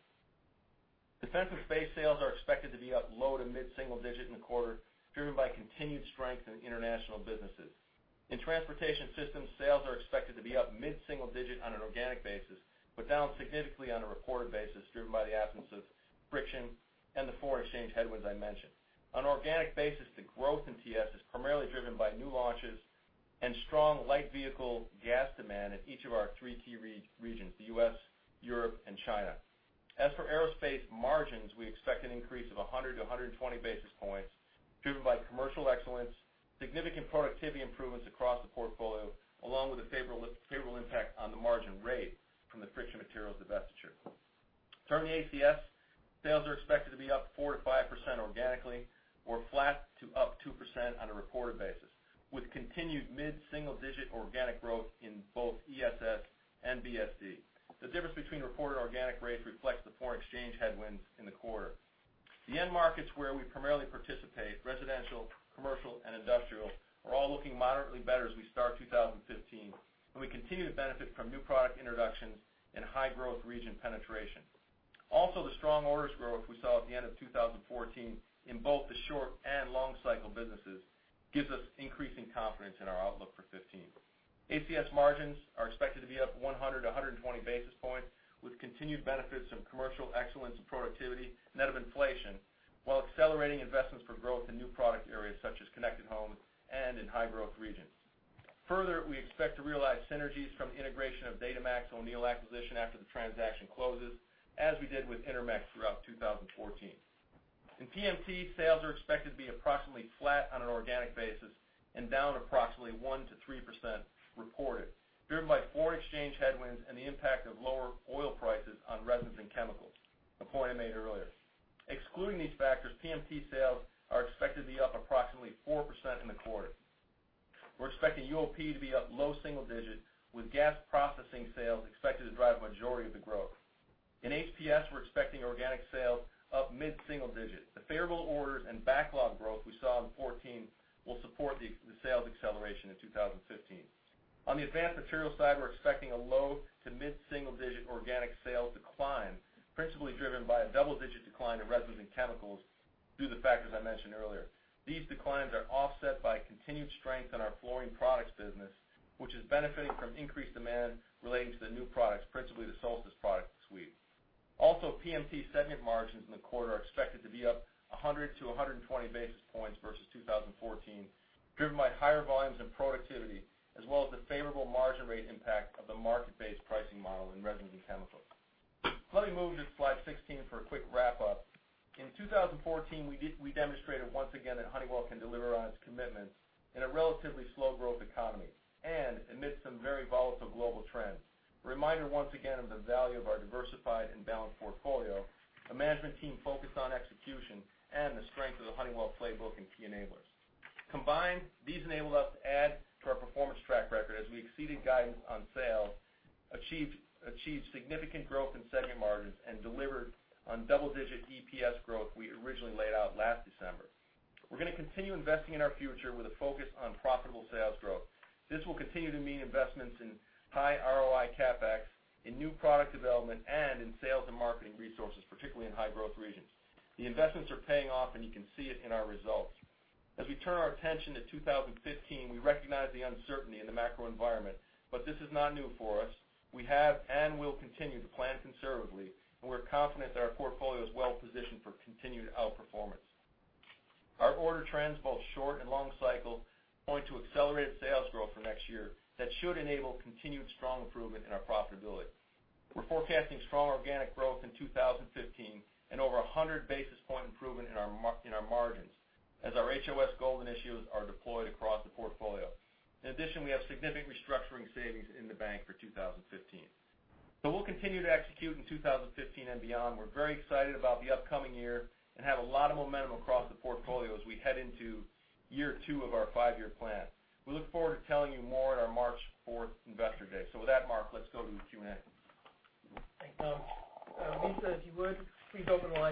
Defense and Space sales are expected to be up low to mid single digit in the quarter, driven by continued strength in international businesses. In Transportation Systems, sales are expected to be up mid single digit on an organic basis, but down significantly on a reported basis, driven by the absence of friction and the foreign exchange headwinds I mentioned. On an organic basis, the growth in TS is primarily driven by new launches and strong light vehicle gas demand in each of our three key regions, the U.S., Europe, and China. As for Aerospace margins, we expect an increase of 100-120 basis points driven by commercial excellence, significant productivity improvements across the portfolio, along with a favorable impact on the margin rate from the Friction Materials divestiture. Turning to ACS, sales are expected to be up 4%-5% organically, or flat to up 2% on a reported basis, with continued mid-single digit organic growth in both ESS and BSD. The difference between reported organic rates reflects the foreign exchange headwinds in the quarter. The end markets where we primarily participate, residential, commercial, and industrial, are all looking moderately better as we start 2015. We continue to benefit from new product introductions and high-growth region penetration. The strong orders growth we saw at the end of 2014 in both the short and long cycle businesses gives us increasing confidence in our outlook for 2015. ACS margins are expected to be up 100 to 120 basis points, with continued benefits from commercial excellence and productivity, net of inflation, while accelerating investments for growth in new product areas such as Connected Home and in High Growth Regions. We expect to realize synergies from the integration of Datamax-O'Neil acquisition after the transaction closes, as we did with Intermec throughout 2014. In PMT, sales are expected to be approximately flat on an organic basis and down approximately 1%-3% reported, driven by foreign exchange headwinds and the impact of lower oil prices on resins and chemicals, a point I made earlier. Excluding these factors, PMT sales are expected to be up approximately 4% in the quarter. We're expecting UOP to be up low single digits, with gas processing sales expected to drive a majority of the growth. In HPS, we're expecting organic sales up mid-single digits. The favorable orders and backlog growth we saw in 2014 will support the sales acceleration in 2015. On the Advanced Materials side, we're expecting a low- to mid-single-digit organic sales decline, principally driven by a double-digit decline in resins and chemicals due to the factors I mentioned earlier. These declines are offset by continued strength in our Fluorine Products business, which is benefiting from increased demand relating to the new products, principally the Solstice product suite. PMT segment margins in the quarter are expected to be up 100 to 120 basis points versus 2014, driven by higher volumes and productivity, as well as the favorable margin rate impact of the market-based pricing model in resins and chemicals. Let me move to slide 16 for a quick wrap-up. In 2014, we demonstrated once again that Honeywell can deliver on its commitments in a relatively slow-growth economy and amid some very volatile global trends. A reminder once again of the value of our diversified and balanced portfolio, a management team focused on execution, and the strength of the Honeywell playbook and key enablers. Combined, these enabled us to add to our performance track record as we exceeded guidance on sales, achieved significant growth in segment margins, and delivered on the double-digit EPS growth we originally laid out last December. We're going to continue investing in our future with a focus on profitable sales growth. This will continue to mean investments in high ROI CapEx, in new product development, and in sales and marketing resources, particularly in High Growth Regions. The investments are paying off, and you can see it in our results. We turn our attention to 2015, we recognize the uncertainty in the macro environment. This is not new for us. We have and will continue to plan conservatively. We're confident that our portfolio is well-positioned for continued outperformance. Our order trends, both short and long cycle, point to accelerated sales growth for next year that should enable continued strong improvement in our profitability. We're forecasting strong organic growth in 2015 and over a 100-basis point improvement in our margins as our HOS Gold issues are deployed across the portfolio. In addition, we have significant restructuring savings in the bank for 2015. We'll continue to execute in 2015 and beyond. We're very excited about the upcoming year and have a lot of momentum across the portfolio as we head into year two of our five-year plan. We look forward to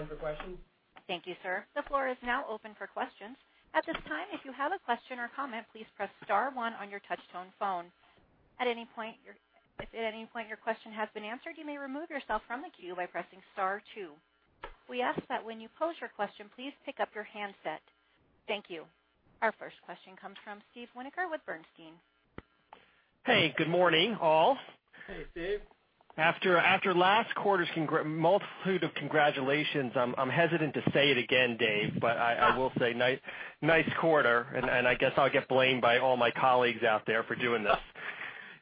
telling you more on our March 4th investor day. With that, Mark, let's go to the Q&A. Thanks. Lisa, if you would, please open the line for questions. Thank you, sir. The floor is now open for questions. At this time, if you have a question or comment, please press *1 on your touch-tone phone. If at any point your question has been answered, you may remove yourself from the queue by pressing *2. We ask that when you pose your question, please pick up your handset. Thank you. Our first question comes from Steve Winoker with Bernstein. Hey, good morning, all. Hey, Steve. After last quarter's multitude of congratulations, I'm hesitant to say it again, Dave, but I will say nice quarter. I guess I'll get blamed by all my colleagues out there for doing this.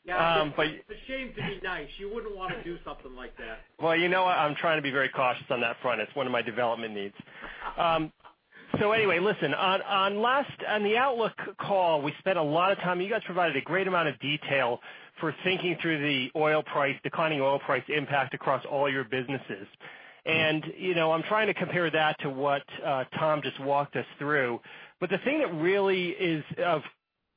Yeah. It's a shame to be nice. You wouldn't want to do something like that. Well, you know I'm trying to be very cautious on that front. It's one of my development needs. Anyway, listen. On the outlook call, we spent a lot of time. You guys provided a great amount of detail for thinking through the declining oil price impact across all your businesses. I'm trying to compare that to what Tom just walked us through. The thing that really is of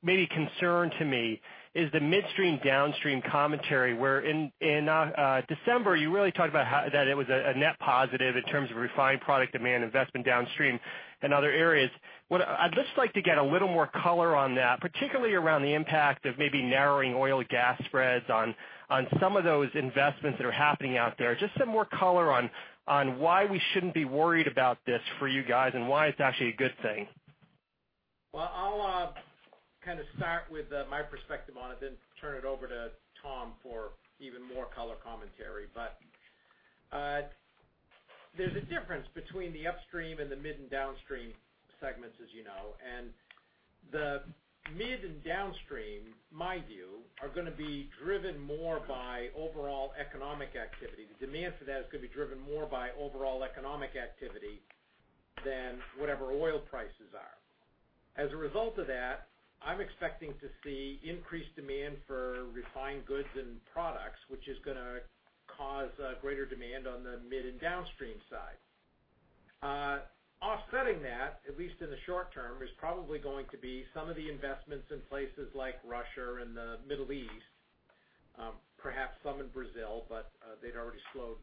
maybe concern to me is the midstream/downstream commentary, where in December you really talked about that it was a net positive in terms of refined product demand investment downstream and other areas. I'd just like to get a little more color on that, particularly around the impact of maybe narrowing oil-to-gas spreads on some of those investments that are happening out there. Some more color on why we shouldn't be worried about this for you guys and why it's actually a good thing. Well, I'll kind of start with my perspective on it, then turn it over to Tom for even more color commentary. There's a difference between the upstream and the mid- and downstream segments, as you know. The mid- and downstream, in my view, are going to be driven more by overall economic activity. The demand for that is going to be driven more by overall economic activity than whatever oil prices are. As a result of that, I'm expecting to see increased demand for refined goods and products, which is going to cause greater demand on the mid- and downstream side. Offsetting that, at least in the short term, is probably going to be some of the investments in places like Russia and the Middle East. Perhaps some in Brazil, but they'd already slowed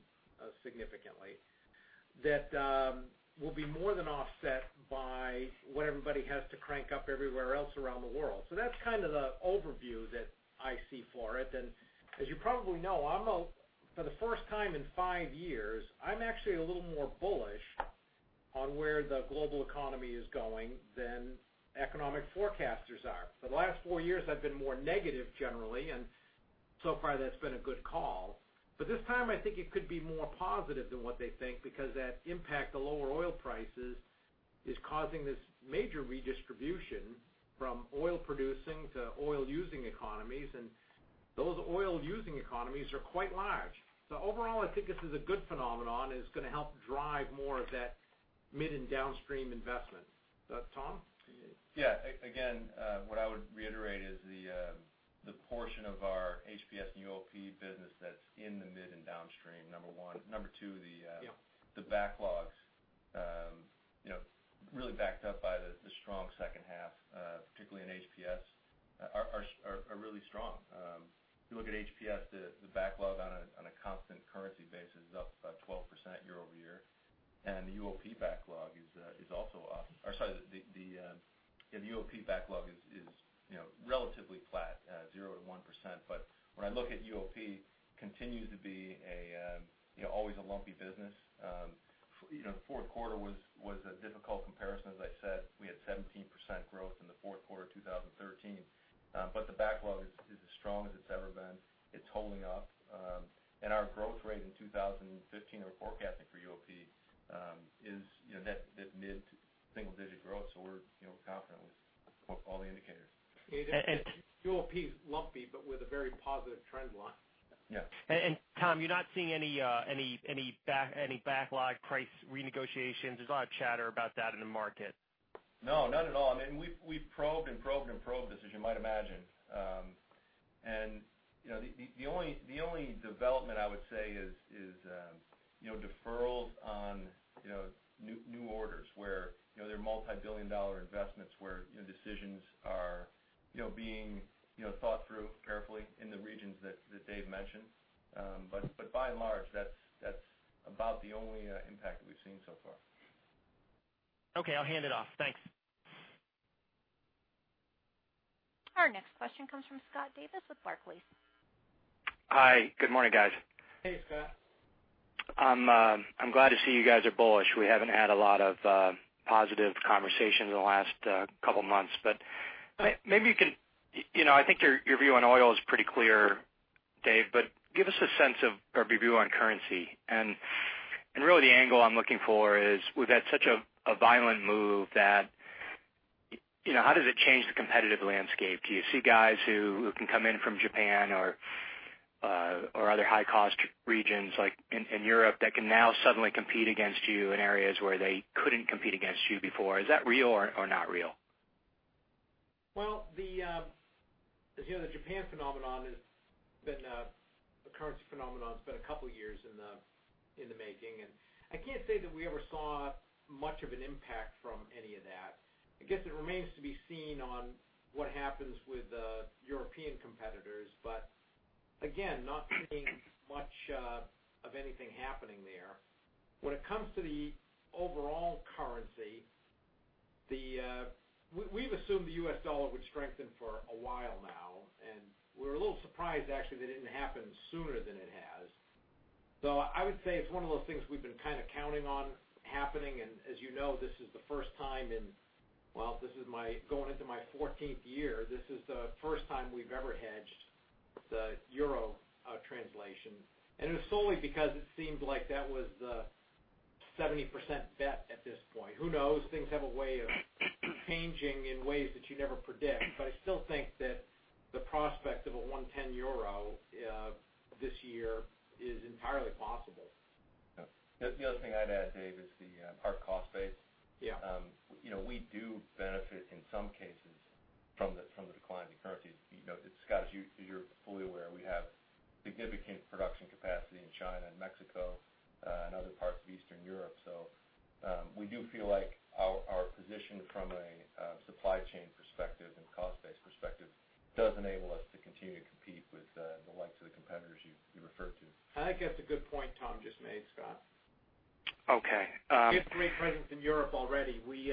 significantly. That will be more than offset by what everybody has to crank up everywhere else around the world. That's the overview that I see for it. As you probably know, for the first time in five years, I'm actually a little more bullish on where the global economy is going than economic forecasters are. For the last four years, I've been more negative generally, and so far that's been a good call. This time, I think it could be more positive than what they think, because that impact, the lower oil prices, is causing this major redistribution from oil producing to oil using economies, and those oil using economies are quite large. Overall, I think this is a good phenomenon, and it's going to help drive more of that mid- and downstream investment. Tom? Yeah. Again, what I would reiterate is the portion of our HPS and UOP business that's in the mid- and downstream, number one. Number two- Yeah The backlogs really backed up by the strong second half, particularly in Honeywell Process Solutions, are really strong. If you look at Honeywell Process Solutions, the backlog on a constant currency basis is up about 12% year-over-year. The Honeywell UOP backlog is relatively flat at 0%-1%. When I look at Honeywell UOP, continues to be always a lumpy business. Fourth quarter was a difficult comparison. As I said, we had 17% growth in the fourth quarter of 2013. The backlog is as strong as it's ever been. It's holding up. Our growth rate in 2015 we're forecasting for Honeywell UOP is that mid-single digit growth. We're confident with all the indicators. Honeywell UOP is lumpy, but with a very positive trend line. Yeah. Tom, you're not seeing any backlog price renegotiations? There's a lot of chatter about that in the market. No, not at all. We've probed, and probed, and probed this, as you might imagine. The only development I would say is deferrals on new orders where there are multibillion-dollar investments where decisions are being thought through carefully in the regions that Dave mentioned. By and large, that's about the only impact that we've seen so far. Okay. I'll hand it off. Thanks. Our next question comes from Scott Davis with Barclays. Hi. Good morning, guys. Hey, Scott. I'm glad to see you guys are bullish. We haven't had a lot of positive conversations in the last couple of months. I think your view on oil is pretty clear, Dave, but give us a sense of your view on currency. Really the angle I'm looking for is, we've had such a violent move that how does it change the competitive landscape? Do you see guys who can come in from Japan or other high-cost regions, like in Europe, that can now suddenly compete against you in areas where they couldn't compete against you before? Is that real or not real? Well, the Japan phenomenon has been a currency phenomenon. It's been a couple of years in the making, and I can't say that we ever saw much of an impact from any of that. I guess it remains to be seen on what happens with European competitors, but again, not seeing much of anything happening there. When it comes to the overall currency, we've assumed the US dollar would strengthen for a while now, and we're a little surprised, actually, that it didn't happen sooner than it has. I would say it's one of those things we've been kind of counting on happening, and as you know, this is the first time in, well, this is going into my 14th year. This is the first time we've ever hedged the euro translation, and it was solely because it seemed like that was a 70% bet at this point. Who knows? Things have a way of changing in ways that you never predict, but I still think that the prospect of a 110 euro this year is entirely possible. Yeah. The other thing I'd add, Dave, is the part cost base. Yeah. We do benefit, in some cases, from the decline of the currency. Scott, as you're fully aware, we have significant production capacity in China and Mexico and other parts of Eastern Europe. We do feel like our position from a supply chain perspective and cost-based perspective does enable us to continue to compete with the likes of the competitors you referred to. I think that's a good point Tom just made, Scott. Okay. We have great presence in Europe already. We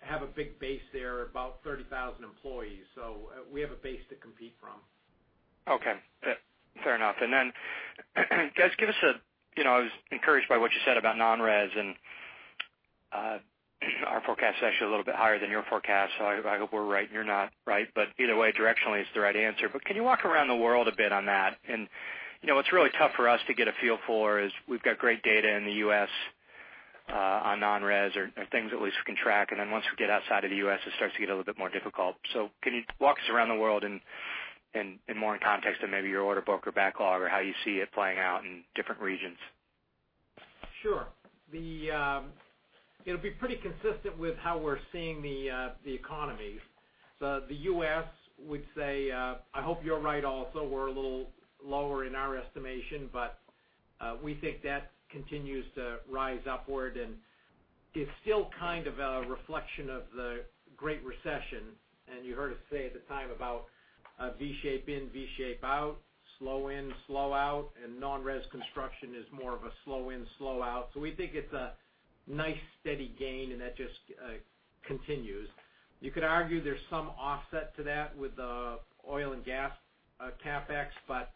have a big base there, about 30,000 employees. We have a base to compete from. Okay. Fair enough. I was encouraged by what you said about non-res, and our forecast is actually a little bit higher than your forecast, so I hope we're right and you're not right. Either way, directionally, it's the right answer. Can you walk around the world a bit on that? What's really tough for us to get a feel for is we've got great data in the U.S. on non-res or things at least we can track. Then once we get outside of the U.S., it starts to get a little bit more difficult. Can you walk us around the world in more in context of maybe your order book or backlog, or how you see it playing out in different regions? Sure. It'll be pretty consistent with how we're seeing the economies. The U.S. would say, I hope you're right also. We're a little lower in our estimation, but we think that continues to rise upward and is still kind of a reflection of the great recession, and you heard us say at the time about a V shape in, V shape out, slow in, slow out, and non-res construction is more of a slow in, slow out. We think it's a nice steady gain and that just continues. You could argue there's some offset to that with the oil and gas CapEx, but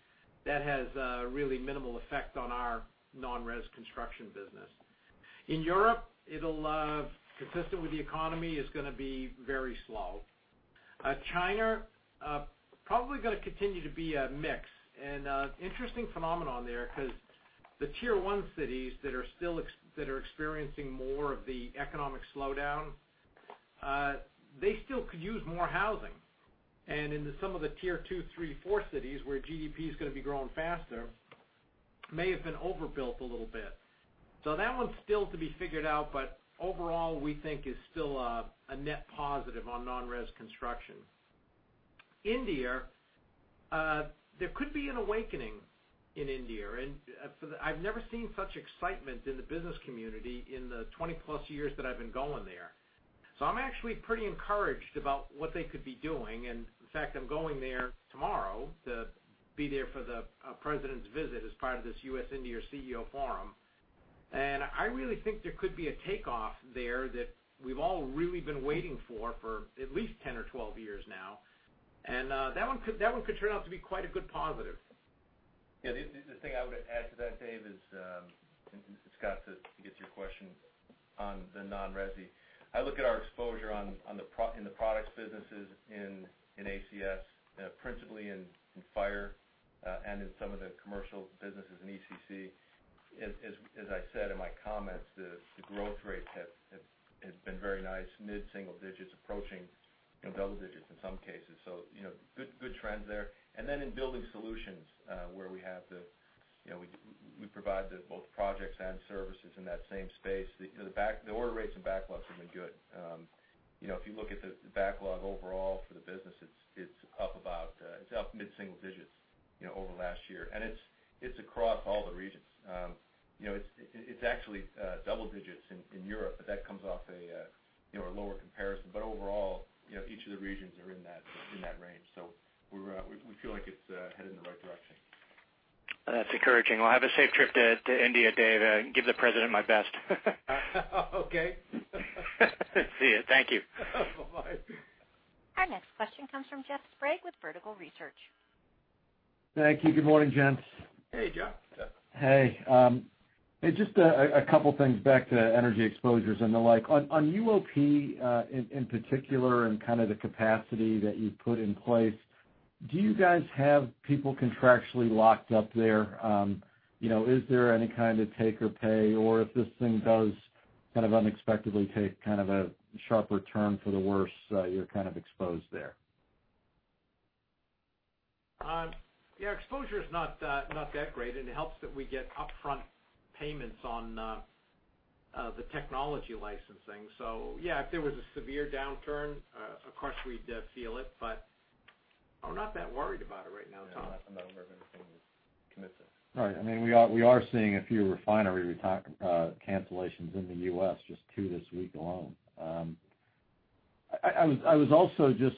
that has a really minimal effect on our non-res construction business. In Europe, it'll, consistent with the economy, is going to be very slow. China, probably going to continue to be a mix. Interesting phenomenon there because the tier 1 cities that are experiencing more of the economic slowdown, they still could use more housing. In some of the tier 2, 3, 4 cities where GDP is going to be growing faster, may have been overbuilt a little bit. That one's still to be figured out, but overall, we think is still a net positive on non-res construction. India, there could be an awakening in India, and I've never seen such excitement in the business community in the 20+ years that I've been going there. I'm actually pretty encouraged about what they could be doing, and in fact, I'm going there tomorrow to be there for the president's visit as part of this U.S.-India CEO Forum. I really think there could be a takeoff there that we've all really been waiting for at least 10 or 12 years now, and that one could turn out to be quite a good positive. Yeah, the thing I would add to that, Dave, and Scott, to get to your question on the non-resi. I look at our exposure in the products businesses in ACS, principally in fire, and in some of the commercial businesses in ECC. As I said in my comments, the growth rate has been very nice, mid-single digits approaching double digits in some cases. Good trends there. In Building Solutions, where we provide both projects and services in that same space, the order rates and backlogs have been good. If you look at the backlog overall for the business, it's up mid-single digits over last year. It's across all the regions. It's actually double digits in Europe, but that comes off a lower comparison. Overall, each of the regions are in that range. We feel like it's headed in the right direction. That's encouraging. Well, have a safe trip to India, Dave, and give the president my best. Okay. See you. Thank you. Bye. Our next question comes from Jeff Sprague with Vertical Research. Thank you. Good morning, gents. Hey, Jeff. Jeff. Hey. Just a couple things back to energy exposures and the like. On UOP, in particular, and the capacity that you put in place, do you guys have people contractually locked up there? Is there any kind of take or pay, or if this thing does unexpectedly take a sharper turn for the worse, you're kind of exposed there? Yeah, our exposure is not that great, and it helps that we get upfront payments on the technology licensing. Yeah, if there was a severe downturn, of course we'd feel it, but I'm not that worried about it right now, Tom. Yeah, I'm not aware of anything that's committed. All right. We are seeing a few refinery cancellations in the U.S., just two this week alone. I was also just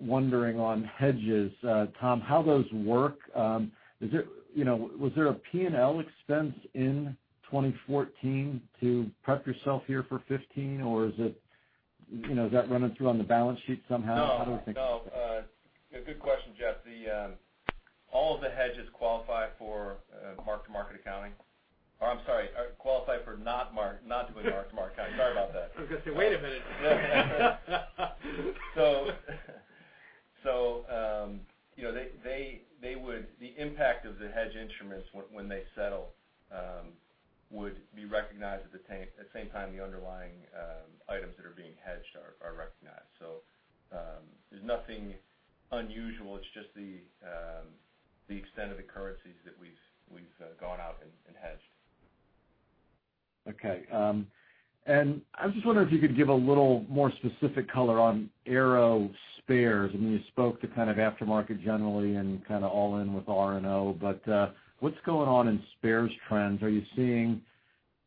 wondering on hedges, Tom, how those work. Was there a P&L expense in 2014 to prep yourself here for 2015, or is that running through on the balance sheet somehow? No. Good question, Jeff. All of the hedges qualify for mark-to-market accounting. Or, I'm sorry, qualify for not doing mark-to-market accounting. Sorry about that. I was going to say, wait a minute. The impact of the hedge instruments, when they settle, would be recognized at the same time the underlying items that are being hedged are recognized. There's nothing unusual. It's just the extent of the currencies that we've gone out and hedged. Okay. I was just wondering if you could give a little more specific color on aero spares. You spoke to kind of aftermarket generally and kind of all in with R&O, but what's going on in spares trends? Are you seeing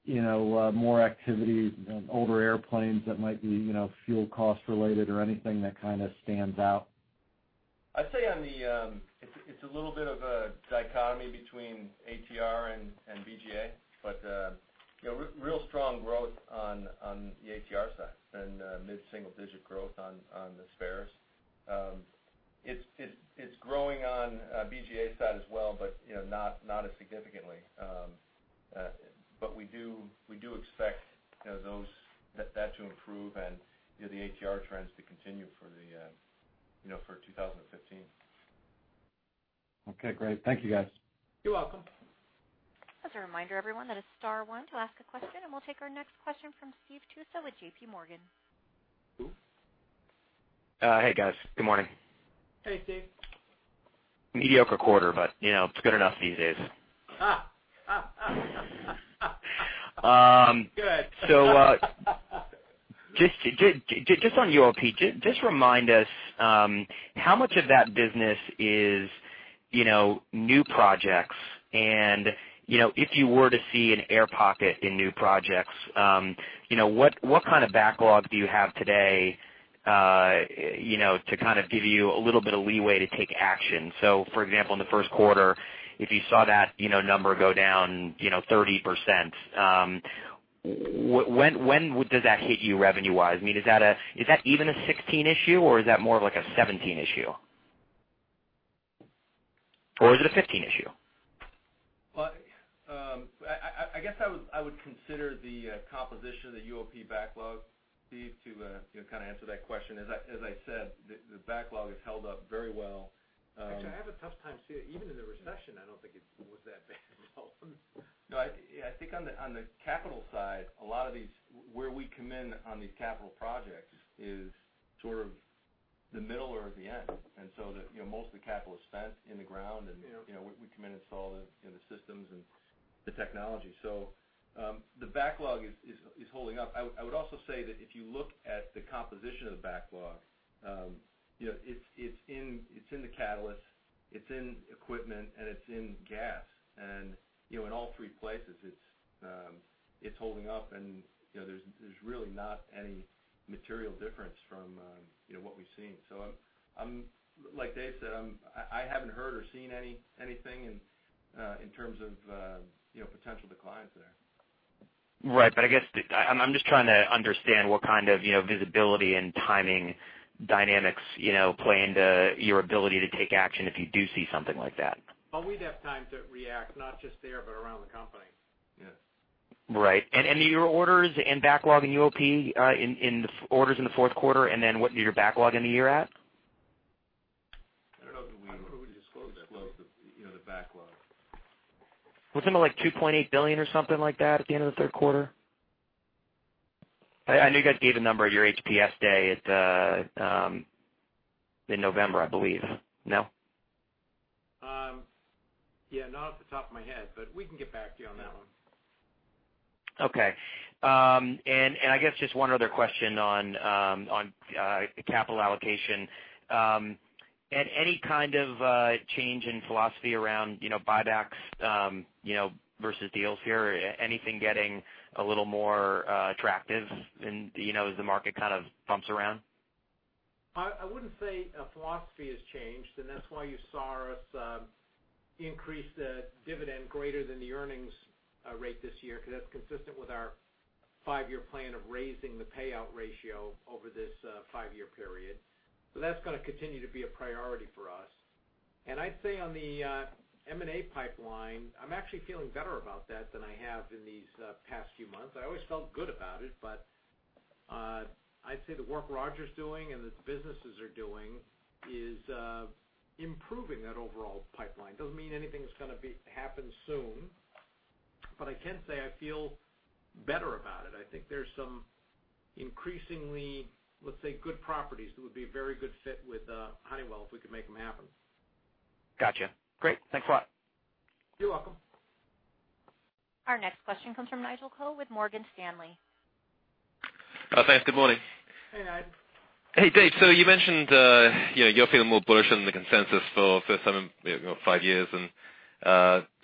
more activity in older airplanes that might be fuel cost related or anything that kind of stands out? I'd say it's a little bit of a dichotomy between ATR and BGA. Real strong growth on the ATR side and mid-single digit growth on the spares. It's growing on BGA side as well, but not as significantly. We do expect that to improve and the ATR trends to continue for 2015. Okay, great. Thank you, guys. You're welcome. Just a reminder, everyone, that is star one to ask a question, and we'll take our next question from Steve Tusa with J.P. Morgan. Steve? Hey, guys. Good morning. Hey, Steve. Mediocre quarter, but it's good enough these days. Good. Just on UOP, just remind us how much of that business is new projects, and if you were to see an air pocket in new projects, what kind of backlog do you have today to give you a little bit of leeway to take action? For example, in the first quarter, if you saw that number go down 30%, when would does that hit you revenue wise? Is that even a 2016 issue or is that more of a 2017 issue? Or is it a 2015 issue? Well, I guess I would consider the composition of the UOP backlog, Steve, to answer that question. As I said, the backlog has held up very well. Actually, I have a tough time seeing it. Even in the recession, I don't think it was that bad at all. No, I think on the capital side, a lot of these, where we come in on these capital projects is sort of the middle or the end. Most of the capital is spent in the ground, and we come in install the systems and the technology. The backlog is holding up. I would also say that if you look at the composition of the backlog, it's in the catalyst, it's in equipment, and it's in gas. In all three places, it's holding up and there's really not any material difference from what we've seen. Like Dave said, I haven't heard or seen anything in terms of potential declines there. Right. I guess I'm just trying to understand what kind of visibility and timing dynamics play into your ability to take action if you do see something like that. Oh, we'd have time to react, not just there, but around the company. Yes. Right. Your orders and backlog in UOP, in the orders in the fourth quarter and then what is your backlog in the year at? I don't know if we disclose the backlog. Wasn't it like $2.8 billion or something like that at the end of the third quarter? I know you guys gave a number at your HPS day in November, I believe. No? Yeah, not off the top of my head, but we can get back to you on that one. Okay. I guess just one other question on capital allocation. At any kind of change in philosophy around buybacks versus deals here, anything getting a little more attractive as the market kind of bumps around? I wouldn't say our philosophy has changed, that's why you saw us increase the dividend greater than the earnings rate this year, because that's consistent with our five-year plan of raising the payout ratio over this five-year period. That's going to continue to be a priority for us. I'd say on the M&A pipeline, I'm actually feeling better about that than I have in these past few months. I always felt good about it, but I'd say the work Roger's doing and the businesses are doing is improving that overall pipeline. Doesn't mean anything is going to happen soon, but I can say I feel better about it. I think there's some increasingly, let's say, good properties that would be a very good fit with Honeywell if we could make them happen. Got you. Great. Thanks a lot. You're welcome. Our next question comes from Nigel Coe with Morgan Stanley. Thanks. Good morning. Hey, Nigel. Hey, Dave. You mentioned you're feeling more bullish on the consensus for the first time in five years and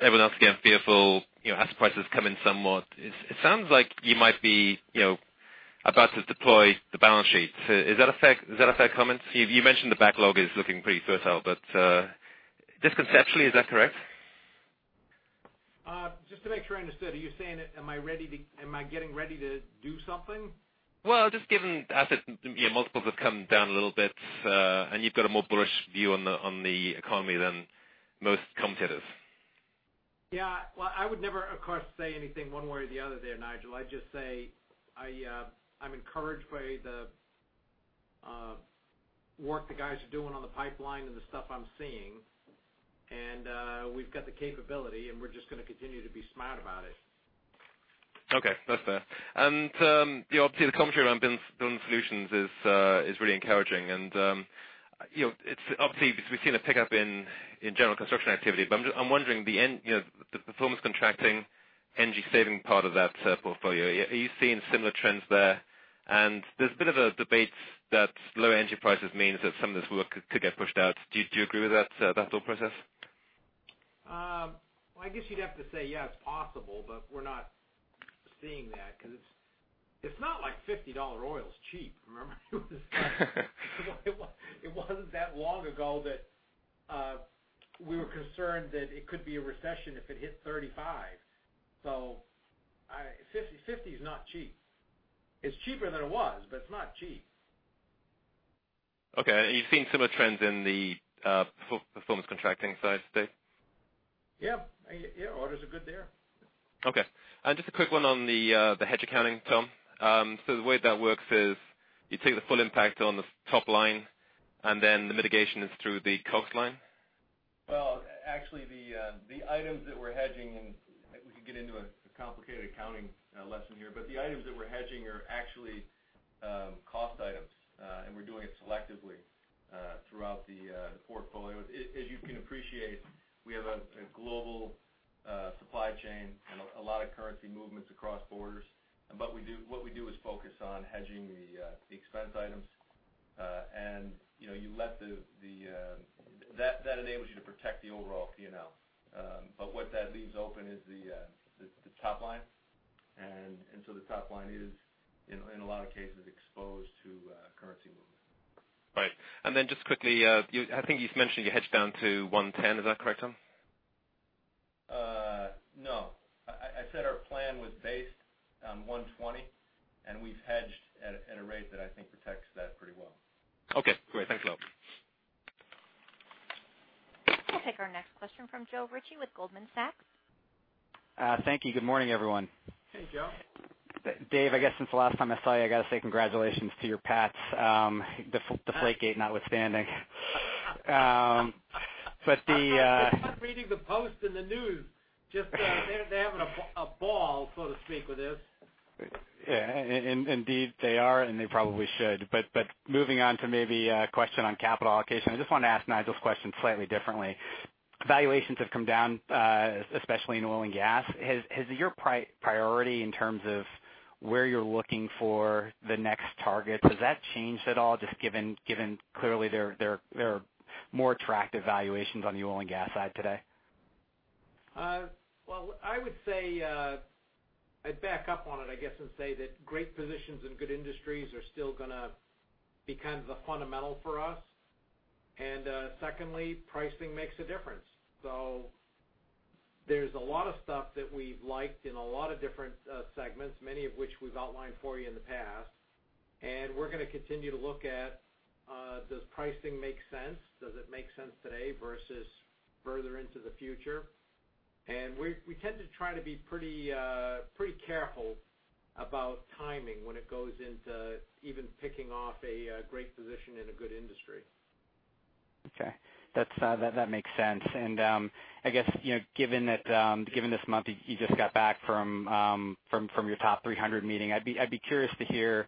everyone else is getting fearful, asset prices come in somewhat. It sounds like you might be about to deploy the balance sheet. Is that a fair comment? You mentioned the backlog is looking pretty fertile, just conceptually, is that correct? Just to make sure I understood, are you saying am I getting ready to do something? Just given asset multiples have come down a little bit, you've got a more bullish view on the economy than most competitors. Yeah. Well, I would never, of course, say anything one way or the other there, Nigel. I'd just say I'm encouraged by the work the guys are doing on the pipeline and the stuff I'm seeing, we've got the capability, we're just going to continue to be smart about it. Okay. That's fair. Obviously the commentary around Building Solutions is really encouraging, obviously, because we've seen a pickup in general construction activity. I'm wondering, the performance contracting, energy saving part of that portfolio, are you seeing similar trends there? There's a bit of a debate that lower energy prices means that some of this work could get pushed out. Do you agree with that thought process? I guess you'd have to say, it's possible, we're not seeing that because it's not like $50 oil is cheap. Remember? It wasn't that long ago that we were concerned that it could be a recession if it hit 35. 50 is not cheap. It's cheaper than it was, it's not cheap. Okay. You're seeing similar trends in the performance contracting side, Dave? Yeah. Orders are good there. Okay. Just a quick one on the hedge accounting, Tom. The way that works is you take the full impact on the top line, then the mitigation is through the cost line? Well, actually, the items that we're hedging, and we could get into a complicated accounting lesson here, but the items that we're hedging are actually cost items. We're doing it selectively throughout the portfolio. As you can appreciate, we have a global supply chain and a lot of currency movements across borders. What we do is focus on hedging the expense items, and that enables you to protect the overall P&L. What that leaves open is the top line, the top line is, in a lot of cases, exposed to currency movements. Right. Just quickly, I think you've mentioned you hedged down to $1.10. Is that correct, Tom? No. I said our plan was based on 120, and we've hedged at a rate that I think protects that pretty well. Okay, great. Thanks a lot. We'll take our next question from Joe Ritchie with Goldman Sachs. Thank you. Good morning, everyone. Hey, Joe. Dave, I guess since the last time I saw you, I got to say congratulations to your Pats, the Deflategate notwithstanding. I'm reading the post in the news. Just, they're having a ball, so to speak, with this. Yeah. Indeed, they are, and they probably should. Moving on to maybe a question on capital allocation. I just wanted to ask Nigel's question slightly differently. Valuations have come down, especially in oil and gas. Has your priority in terms of where you're looking for the next target, has that changed at all, just given clearly there are more attractive valuations on the oil and gas side today? Well, I would say, I'd back up on it, I guess, and say that great positions in good industries are still going to be kind of the fundamental for us. Secondly, pricing makes a difference. There's a lot of stuff that we've liked in a lot of different segments, many of which we've outlined for you in the past, and we're going to continue to look at, does pricing make sense? Does it make sense today versus further into the future? We tend to try to be pretty careful about timing when it goes into even picking off a great position in a good industry. Okay. That makes sense. I guess, given this month, you just got back from your top 300 meeting. I'd be curious to hear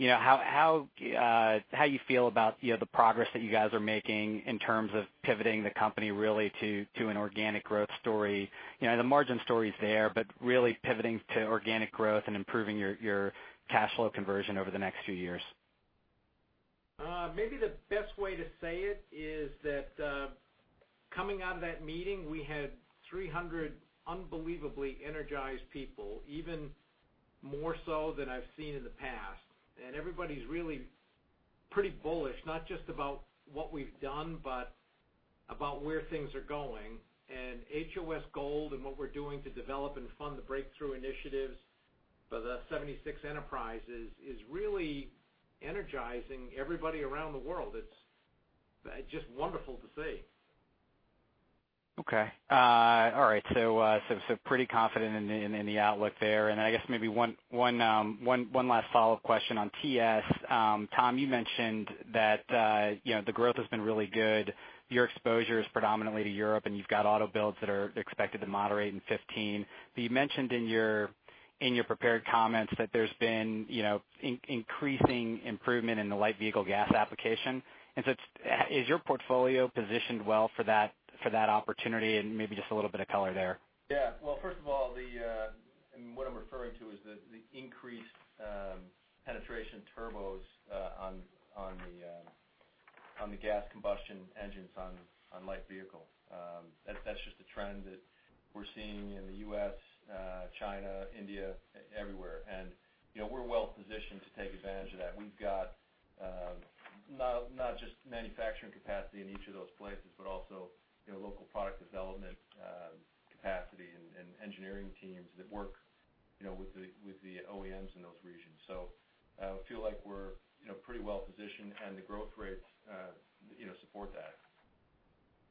how you feel about the progress that you guys are making in terms of pivoting the company really to an organic growth story. The margin story's there. Really pivoting to organic growth and improving your cash flow conversion over the next few years. Maybe the best way to say it is that coming out of that meeting, we had 300 unbelievably energized people, even more so than I've seen in the past. Everybody's really pretty bullish, not just about what we've done, but about where things are going. HOS Gold and what we're doing to develop and fund the breakthrough initiatives for the 76 enterprises is really energizing everybody around the world. It's just wonderful to see. Okay. All right. Pretty confident in the outlook there. I guess maybe one last follow-up question on TS. Tom, you mentioned that the growth has been really good. Your exposure is predominantly to Europe, and you've got auto builds that are expected to moderate in 2015. You mentioned in your prepared comments that there's been increasing improvement in the light vehicle gas application. Is your portfolio positioned well for that opportunity? Maybe just a little bit of color there. Well, first of all, what I'm referring to is the increased penetration turbos on the gas combustion engines on light vehicles. That's just a trend that we're seeing in the U.S., China, India, everywhere, and we're well positioned to take advantage of that. We've got not just manufacturing capacity in each of those places, but also local product development capacity and engineering teams that work with the OEMs in those regions. I feel like we're pretty well positioned, and the growth rates support that.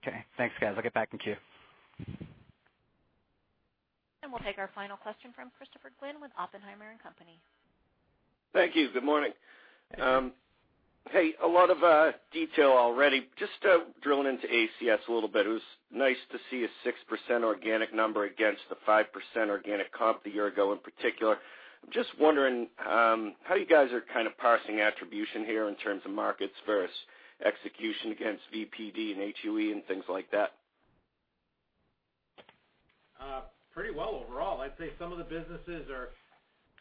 Okay, thanks, guys. I'll get back in queue. We'll take our final question from Christopher Glynn with Oppenheimer & Co. Thank you. Good morning. Hey. Hey, a lot of detail already. Just drilling into ACS a little bit, it was nice to see a 6% organic number against the 5% organic comp a year ago, in particular. I'm just wondering how you guys are kind of parsing attribution here in terms of markets versus execution against NPD and HUE and things like that. Pretty well overall. I'd say some of the businesses are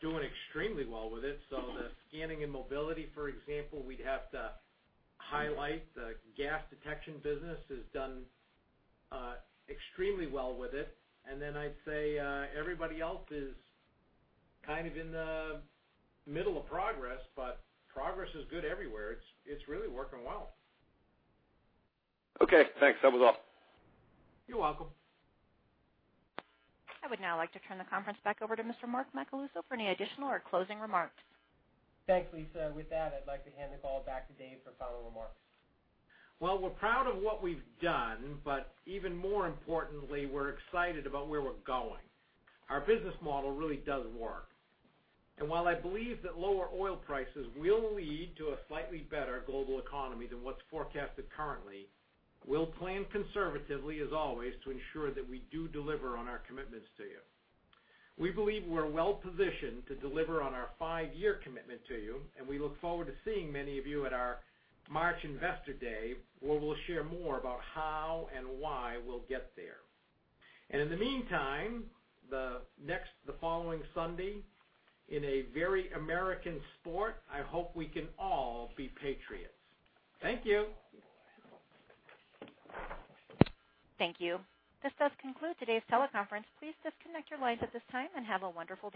doing extremely well with it. The Scanning & Mobility, for example, we'd have to highlight. The gas detection business has done extremely well with it. Then I'd say everybody else is kind of in the middle of progress, but progress is good everywhere. It's really working well. Okay, thanks. That was all. You're welcome. I would now like to turn the conference back over to Mr. Mark Macaluso for any additional or closing remarks. Thanks, Lisa. With that, I'd like to hand the call back to Dave for follow remarks. Well, we're proud of what we've done, but even more importantly, we're excited about where we're going. Our business model really does work. While I believe that lower oil prices will lead to a slightly better global economy than what's forecasted currently, we'll plan conservatively, as always, to ensure that we do deliver on our commitments to you. We believe we're well positioned to deliver on our five-year commitment to you, and we look forward to seeing many of you at our March investor day, where we'll share more about how and why we'll get there. In the meantime, the following Sunday, in a very American sport, I hope we can all be Patriots. Thank you. Thank you. This does conclude today's teleconference. Please disconnect your lines at this time and have a wonderful day.